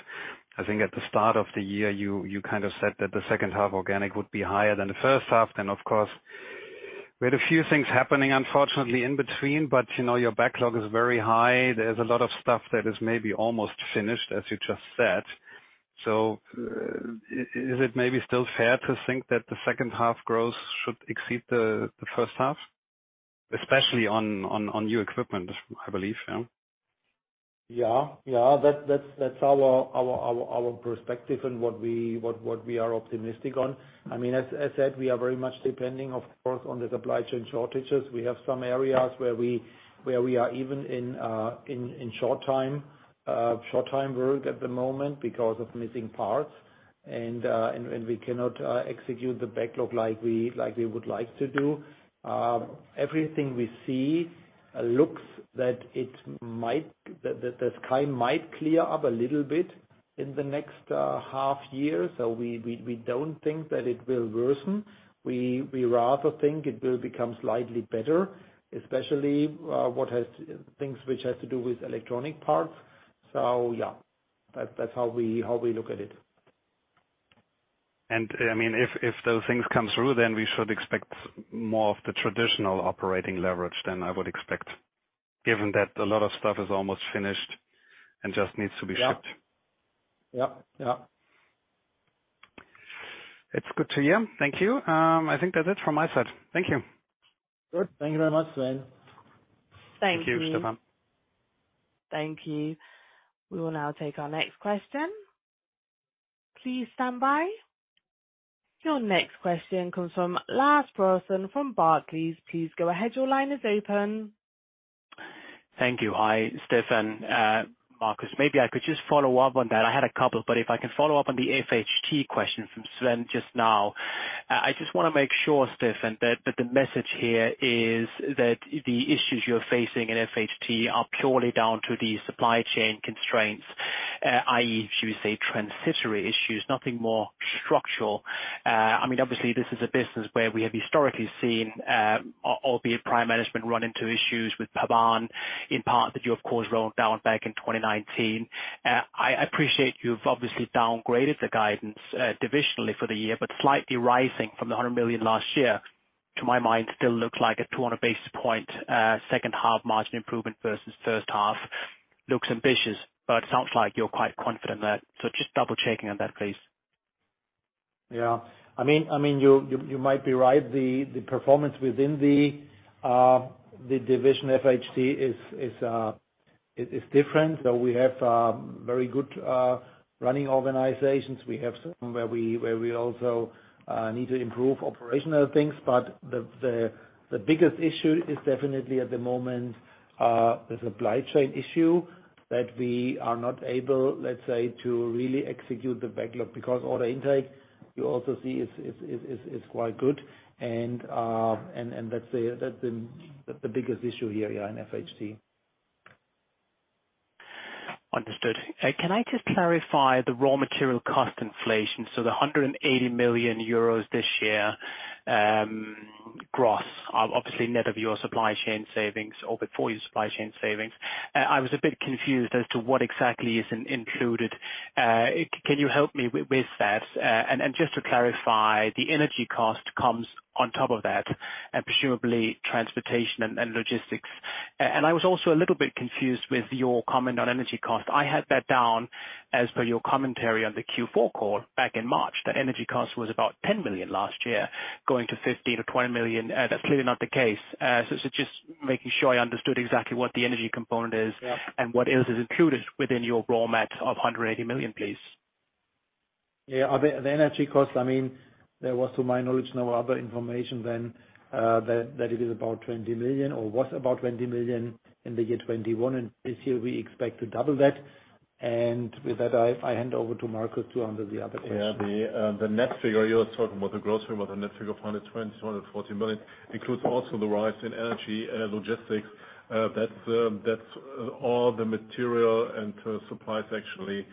I think at the start of the year you kind of said that the H2 organic would be higher than the H1. Then of course we had a few things happening unfortunately in between. But you know your backlog is very high. There's a lot of stuff that is maybe almost finished as you just said. Is it maybe still fair to think that the H2 growth should exceed the H1? Especially on new equipment, I believe. Yeah. Yeah. Yeah. That's our perspective and what we are optimistic on. I mean, as said, we are very much depending of course on the supply chain shortages. We have some areas where we are even in short time work at the moment because of missing parts and we cannot execute the backlog like we would like to do. Everything we see looks that the sky might clear up a little bit in the next half year. We don't think that it will worsen. We rather think it will become slightly better, especially things which has to do with electronic parts. Yeah, that's how we look at it. I mean, if those things come through, then we should expect more of the traditional operating leverage than I would expect, given that a lot of stuff is almost finished and just needs to be shipped. Yeah. Yeah. Yeah. That's good to hear. Thank you. I think that's it from my side. Thank you. Good. Thank you very much, Sven. Thank you. Thank you, Stefan. Thank you. We will now take our next question. Please stand by. Your next question comes from Lars Brorson from Barclays. Please go ahead. Your line is open. Thank you. Stefan, Marcus, maybe I could just follow up on that. I had a couple, but if I can follow up on the FHT question from Sven just now. I just wanna make sure, Stefan, that the message here is that the issues you're facing in FHT are purely down to the supply chain constraints, i.e., should we say transitory issues, nothing more structural. I mean, obviously this is a business where we have historically seen, albeit prior management run into issues with Pavan, in part that you of course rolled out back in 2019. I appreciate you've obviously downgraded the guidance, divisionally for the year, but slightly rising from the 100 million last year, to my mind, still looks like a 200 basis points, H2 margin improvement versus H1. Looks ambitious, but sounds like you're quite confident in that. Just double checking on that, please. Yeah. I mean, you might be right. The performance within the division FHT is different. We have very good running organizations. We have somewhere we also need to improve operational things. The biggest issue is definitely at the moment the supply chain issue that we are not able, let's say, to really execute the backlog because order intake, you also see, is quite good. That's the biggest issue here, yeah, in FHT. Understood. Can I just clarify the raw material cost inflation? The 180 million euros this year, gross, obviously net of your supply chain savings or before your supply chain savings. I was a bit confused as to what exactly is included. Can you help me with that? Just to clarify, the energy cost comes on top of that, and presumably transportation and logistics. I was also a little bit confused with your comment on energy cost. I had that down as per your commentary on the Q4 call back in March, that energy cost was about 10 million last year, going to 15-20 million. That's clearly not the case. Just making sure I understood exactly what the energy component is. Yeah. What else is included within your raw materials of 180 million, please? Yeah. The energy cost, I mean, there was to my knowledge no other information than that it is about 20 million or was about 20 million in the year 2021, and this year we expect to double that. With that, I hand over to Marcus to handle the other questions. Yeah. The net figure, you're talking about the gross figure, but the net figure of 120 million to 140 million includes also the rise in energy, logistics, that's all the material and supplies actually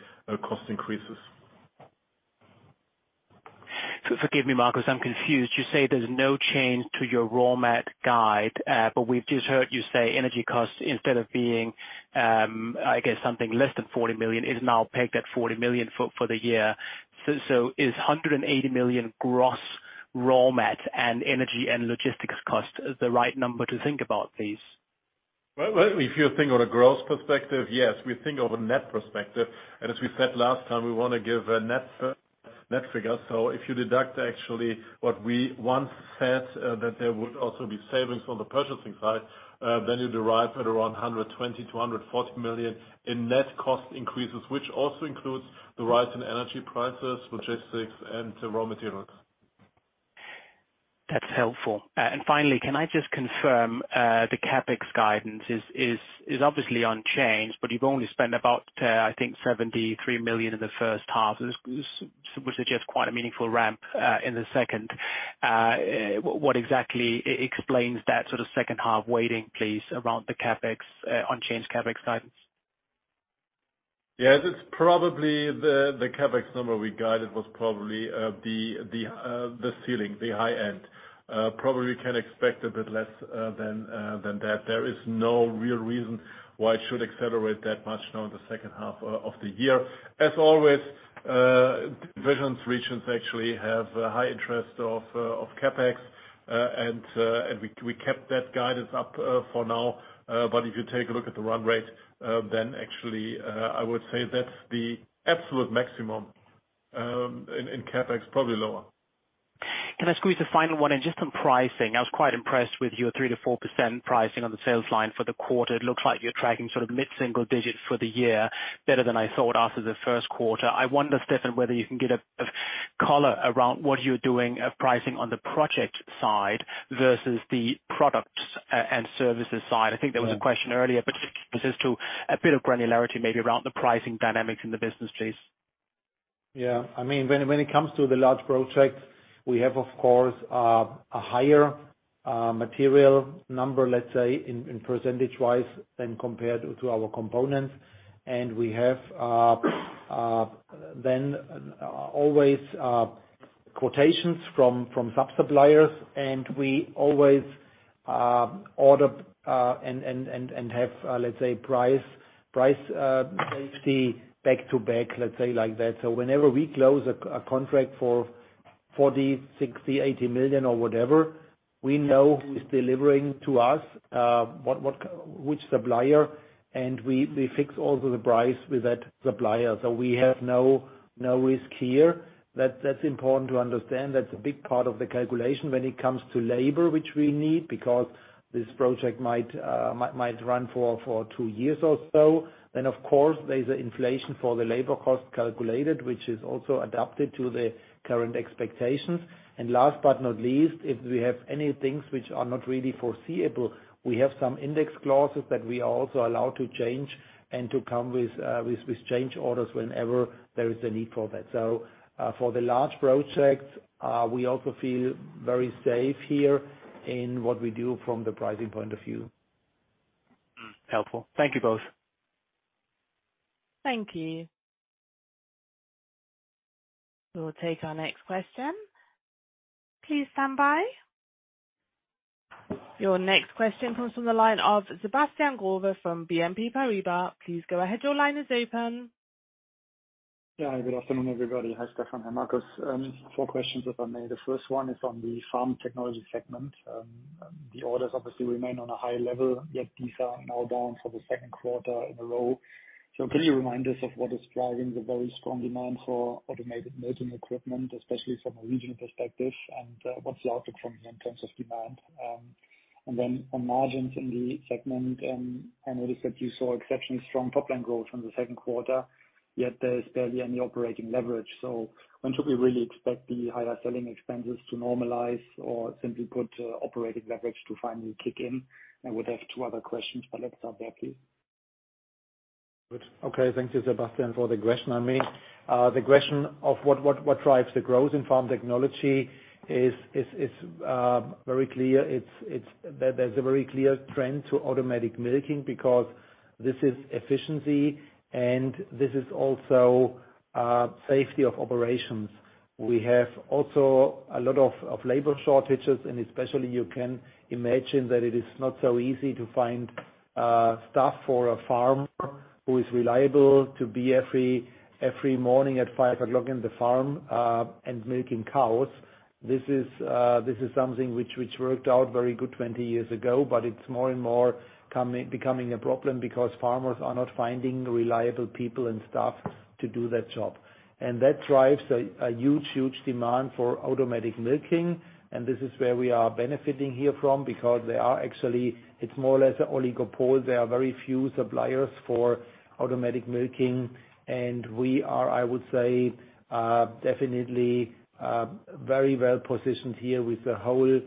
cost increases. Forgive me, Marcus, I'm confused. You say there's no change to your raw mat guide, but we've just heard you say energy costs, instead of being, I guess something less than 40 million, is now pegged at 40 million for the year. Is 180 million gross raw mats and energy and logistics cost the right number to think about, please? Well, if you think on a gross perspective, yes. We think of a net perspective, and as we said last time, we wanna give a net figure. If you deduct actually what we once said, that there would also be savings on the purchasing side, then you arrive at around 120 million to 140 million in net cost increases, which also includes the rise in energy prices, logistics, and raw materials. That's helpful. Finally, can I just confirm the CapEx guidance is obviously unchanged, but you've only spent about, I think, 73 million in the H1. Which suggests quite a meaningful ramp in the second. What exactly explains that sort of H2 weighting, please, around the CapEx unchanged CapEx guidance? Yes, it's probably the CapEx number we guided was probably the ceiling, the high end. Probably can expect a bit less than that. There is no real reason why it should accelerate that much now in the H2 of the year. As always, divisions, regions actually have a high interest of CapEx, and we kept that guidance up for now. But if you take a look at the run rate, then actually I would say that's the absolute maximum in CapEx, probably lower. Can I squeeze a final one in just on pricing? I was quite impressed with your 3% to 4% pricing on the sales line for the quarter. It looks like you're tracking sort of mid-single digits% for the year, better than I thought after the Q1. I wonder, Stefan, whether you can give a color around what you're doing on pricing on the project side versus the products and services side. I think there was a question earlier, but just a bit of granularity maybe around the pricing dynamics in the business, please. Yeah. I mean, when it comes to the large projects, we have of course a higher material number, let's say in percentage-wise than compared to our components. We have then always quotations from sub-suppliers, and we always order and have, let's say price safety back to back, let's say like that. Whenever we close a contract for 40 million, 60 million, 80 million or whatever, we know who's delivering to us, what which supplier, and we fix also the price with that supplier. We have no risk here. That's important to understand. That's a big part of the calculation when it comes to labor, which we need because this project might run for two years or so. Of course there's an inflation for the labor cost calculated, which is also adapted to the current expectations. Last but not least, if we have any things which are not really foreseeable, we have some index clauses that we are also allowed to change and to come with change orders whenever there is a need for that. For the large projects, we also feel very safe here in what we do from the pricing point of view. Helpful. Thank you both. Thank you. We'll take our next question. Please stand by. Your next question comes from the line of Sebastian Growe from BNP Paribas. Please go ahead. Your line is open. Yeah. Good afternoon, everybody. Hi, Stefan. Hi, Marcus. Four questions, if I may. The first one is on the Farm Technologies segment. The orders obviously remain on a high level, yet these are now down for the Q2 in a row. Can you remind us of what is driving the very strong demand for automated milking equipment, especially from a regional perspective, and what's the outlook from here in terms of demand? Then on margins in the segment, I noticed that you saw exceptionally strong top line growth from the Q2, yet there is barely any operating leverage. When should we really expect the higher selling expenses to normalize or simply put, operating leverage to finally kick in? I would have two other questions, but let's start there, please. Good. Okay, thank you, Sebastian, for the question. I mean, the question of what drives the growth in Farm Technologies is very clear. There's a very clear trend to automatic milking because this is efficiency, and this is also safety of operations. We have also a lot of labor shortages, and especially you can imagine that it is not so easy to find staff for a farm who is reliable to be every morning at 5:00 A.M. in the farm, and milking cows. This is something which worked out very good 20 years ago, but it's more and more becoming a problem because farmers are not finding reliable people and staff to do that job. That drives a huge demand for automatic milking. This is where we are benefiting here from because they are actually, it's more or less an oligopoly. There are very few suppliers for automatic milking. We are, I would say, definitely, very well positioned here with the whole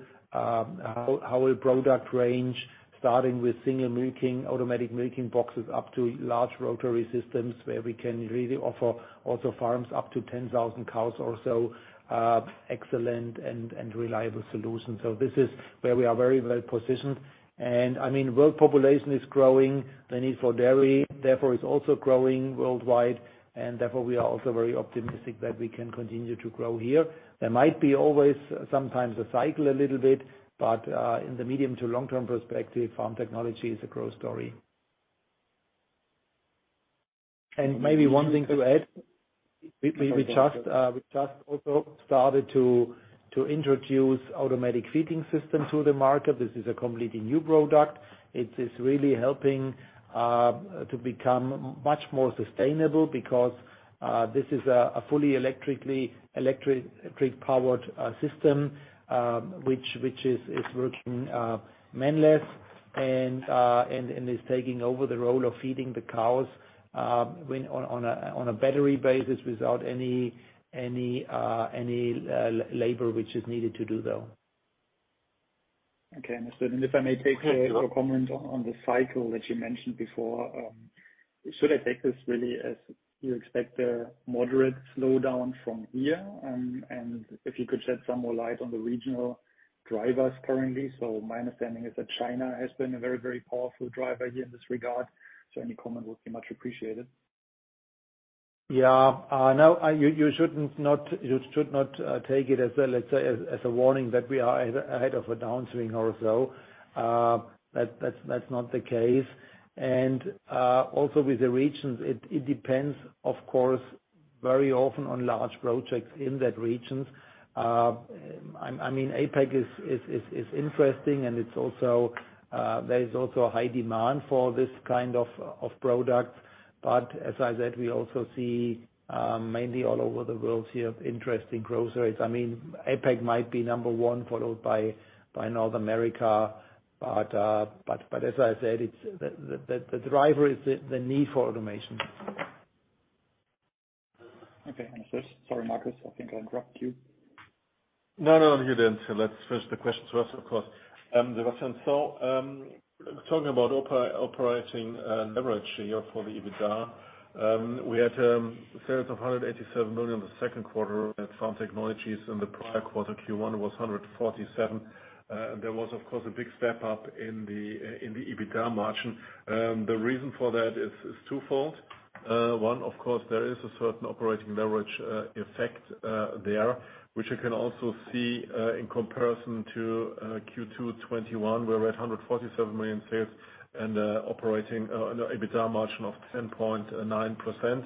product range, starting with single milking, automatic milking boxes, up to large rotary systems, where we can really offer also farms up to 10,000 cows or so, excellent and reliable solutions. This is where we are very well positioned. I mean, world population is growing. The need for dairy, therefore, is also growing worldwide. Therefore, we are also very optimistic that we can continue to grow here. There might be always sometimes a cycle a little bit, but, in the medium to long term perspective, farm technology is a growth story. Maybe one thing to add, we just also started to introduce automatic feeding system to the market. This is a completely new product. It is really helping to become much more sustainable because this is a fully electric powered system, which is working unmanned and is taking over the role of feeding the cows when on a battery basis without any labor which is needed to do so. Okay. Understood. If I may take a comment on the cycle that you mentioned before, should I take this really as you expect a moderate slowdown from here? If you could shed some more light on the regional drivers currently. My understanding is that China has been a very, very powerful driver here in this regard, so any comment would be much appreciated. Yeah. No, you should not take it as a, let's say, as a warning that we are ahead of a downswing or so. That's not the case. Also with the regions, it depends, of course, very often on large projects in those regions. I mean, APAC is interesting, and there is also a high demand for this kind of products. But as I said, we also see mainly all over the world here, interesting growth rates. I mean, APAC might be number one, followed by North America. But as I said, the driver is the need for automation. Okay. Understood. Sorry, Marcus, I think I interrupted you. No, no, you didn't. Let's first take the question to us, of course. Sebastian, so, talking about operating leverage here for the EBITDA, we had sales of EUR 187 million in the Q2 at Farm Technologies, and the prior quarter Q1 was EUR 147 million. There was, of course, a big step up in the EBITDA margin. The reason for that is twofold. One, of course, there is a certain operating leverage effect there, which you can also see in comparison to Q2 2021. We're at 147 million sales and EBITDA margin of 10.9%.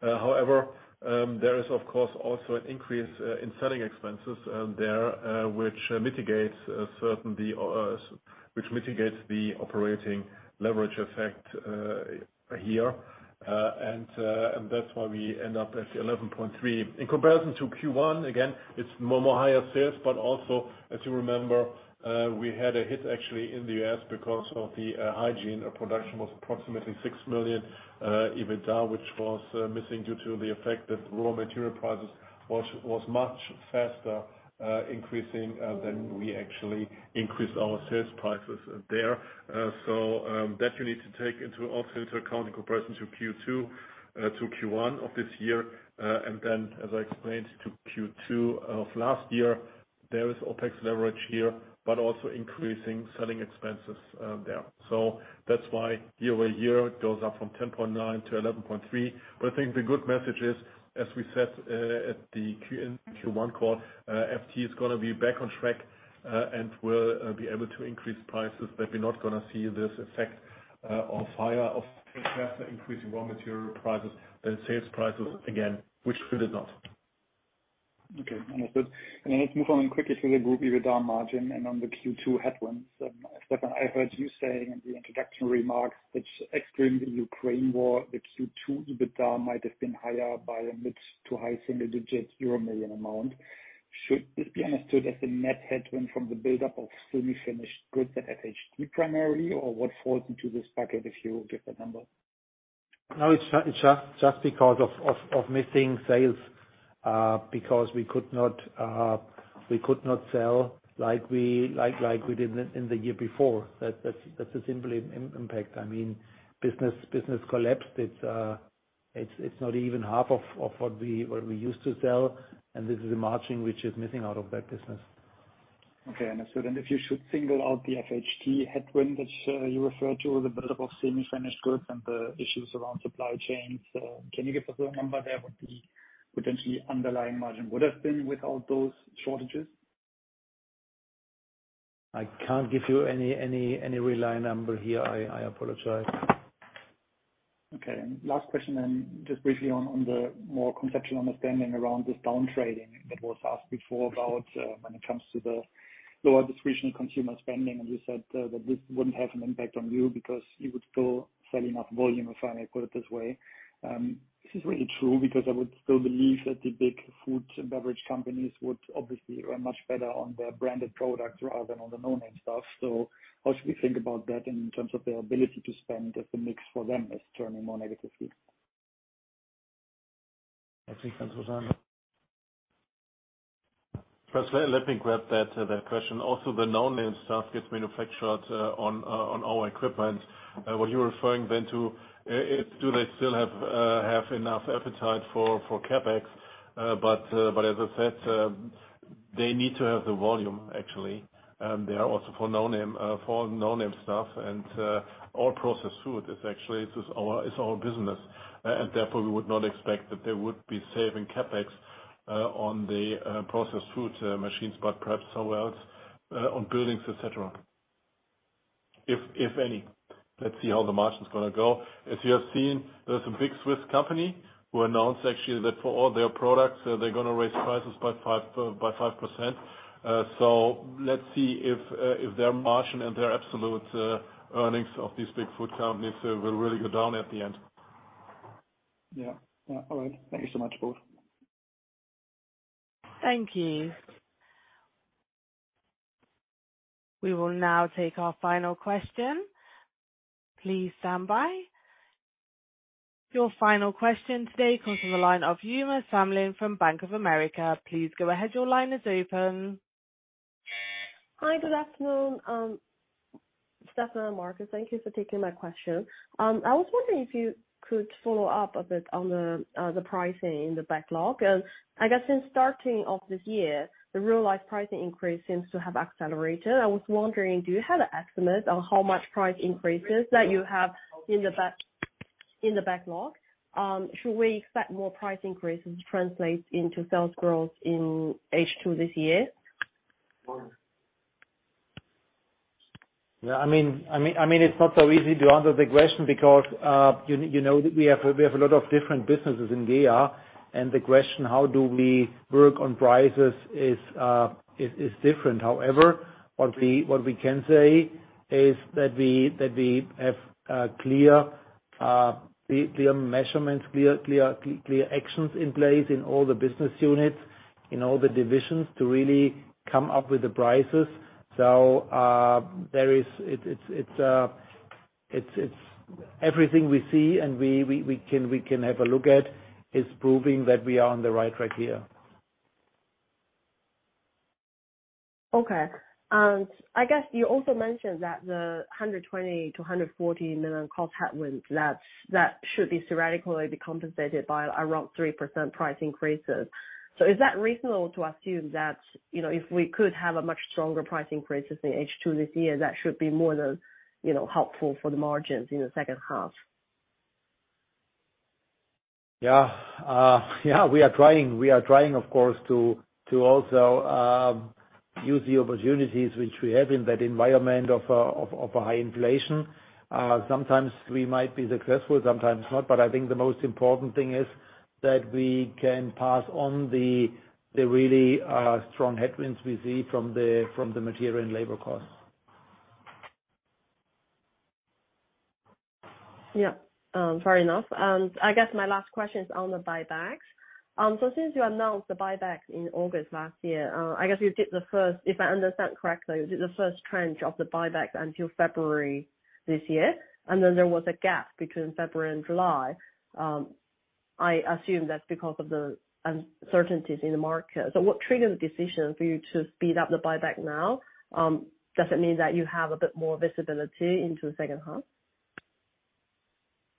However, there is of course also an increase in selling expenses there, which certainly mitigates the operating leverage effect here. That's why we end up at 11.3%. In comparison to Q1, again, it's more and more higher sales, but also, as you remember, we had a hit actually in the US because of the hygiene production was approximately 6 million EBITDA, which was missing due to the effect that raw material prices was much faster increasing than we actually increased our sales prices there. That you need to take into, also into account in comparison to Q2 to Q1 of this year. As I explained to Q2 of last year, there is OpEx leverage here, but also increasing selling expenses there. That's why year-over-year, it goes up from 10.9% to 11.3%. I think the good message is, as we said, at the Q1 call, FT is gonna be back on track, and we'll be able to increase prices, but we're not gonna see this effect of higher, faster increasing raw material prices than sales prices again, which we did not. Okay. Understood. Let's move on quickly to the group EBITDA margin and on the Q2 headwinds. Stefan, I heard you saying in the introductory remarks which excluding the Ukraine war, the Q2 EBITDA might have been higher by a mid- to high single-digit euro million amount. Should this be understood as a net headwind from the buildup of semi-finished goods at FHT primarily, or what falls into this bucket, if you give the number? No, it's just because of missing sales, because we could not sell like we did in the year before. That's a simple impact. I mean, business collapsed. It's not even half of what we used to sell, and this is the margin which is missing out of that business. Okay, understood. If you should single out the FHT headwind which, you referred to the buildup of semi-finished goods and the issues around supply chains, can you give us a number there what the potentially underlying margin would have been without those shortages? I can't give you any reliable number here. I apologize. Okay. Last question then, just briefly on the more conceptual understanding around this down trading that was asked before about when it comes to the lower discretionary consumer spending. You said that this wouldn't have an impact on you because you would still sell enough volume, if I may put it this way. This is really true because I would still believe that the big food and beverage companies would obviously run much better on their branded products rather than on the no-name stuff. How should we think about that in terms of their ability to spend if the mix for them is turning more negatively? I think. [inaudible] First, let me grab that question. Also, the no-name stuff gets manufactured on our equipment. What you're referring then to is do they still have enough appetite for CapEx? As I said, they need to have the volume actually. They are also for no-name stuff and all processed food is actually our business. Therefore we would not expect that they would be saving CapEx on the processed food machines, but perhaps somewhere else on buildings, et cetera. If any. Let's see how the margin's gonna go. As you have seen, there's a big Swiss company who announced actually that for all their products, they're gonna raise prices by 5%. Let's see if their margin and their absolute earnings of these big food companies will really go down at the end. Yeah. Yeah. All right. Thank you so much, both. Thank you. We will now take our final question. Please stand by. Your final question today comes from the line of Uma Samlin from Bank of America. Please go ahead. Your line is open. Hi, good afternoon. Stefan and Marcus, thank you for taking my question. I was wondering if you could follow up a bit on the pricing in the backlog. I guess since starting of this year, the real-life price increase seems to have accelerated. I was wondering, do you have an estimate on how much price increases that you have in the backlog? Should we expect more price increases to translate into sales growth in H2 this year? Yeah, I mean, it's not so easy to answer the question because you know that we have a lot of different businesses in GEA, and the question how we work on prices is different. However, what we can say is that we have clear measures, clear actions in place in all the business units, in all the divisions to really come up with the prices. It's everything we see and we can have a look at is proving that we are on the right track here. Okay. I guess you also mentioned that the 120 million to 140 million cost headwinds that should be sporadically compensated by around 3% price increases. Is that reasonable to assume that, you know, if we could have much stronger price increases in H2 this year, that should be more than, you know, helpful for the margins in the H2? Yeah. We are trying of course to also use the opportunities which we have in that environment of a high inflation. Sometimes we might be successful, sometimes not, but I think the most important thing is that we can pass on the really strong headwinds we see from the material and labor costs. Yeah. Fair enough. I guess my last question is on the buyback. Since you announced the buyback in August last year, I guess you did the first. If I understand correctly, you did the first tranche of the buybacks until February this year, and then there was a gap between February and July. I assume that's because of the uncertainties in the market. What triggered the decision for you to speed up the buyback now? Does it mean that you have a bit more visibility into the H2?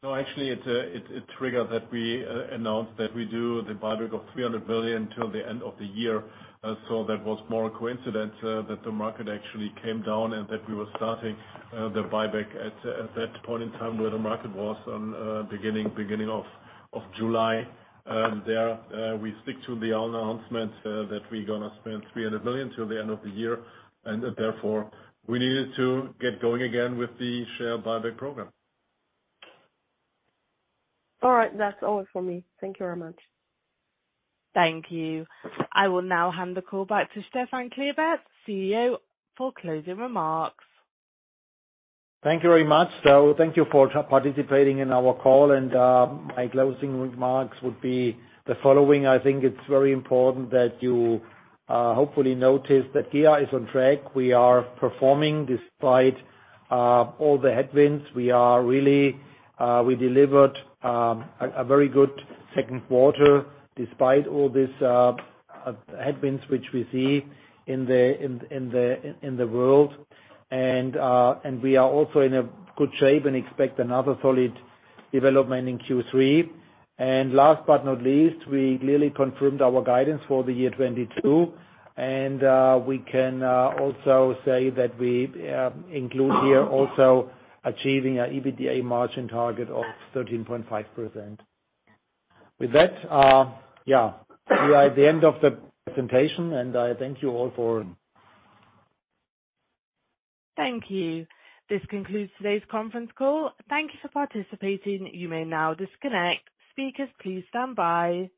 No, actually it triggered that we announced that we do the buyback of 300 million till the end of the year. That was more a coincidence, that the market actually came down and that we were starting the buyback at that point in time where the market was down beginning of July. We stick to the announcement that we're gonna spend 300 million till the end of the year, and therefore we needed to get going again with the share buyback program. All right. That's all from me. Thank you very much. Thank you. I will now hand the call back to Stefan Klebert, CEO, for closing remarks. Thank you very much. Thank you for participating in our call. My closing remarks would be the following, I think it's very important that you hopefully notice that GEA is on track. We are performing despite all the headwinds. We really delivered a very good Q2 despite all these headwinds which we see in the world. We are also in a good shape and expect another solid development in Q3. Last but not least, we clearly confirmed our guidance for the year 2022. We can also say that we include here also achieving our EBITDA margin target of 13.5%. With that, we are at the end of the presentation, and thank you all for. Thank you. This concludes today's conference call. Thank you for participating. You may now disconnect. Speakers, please stand by.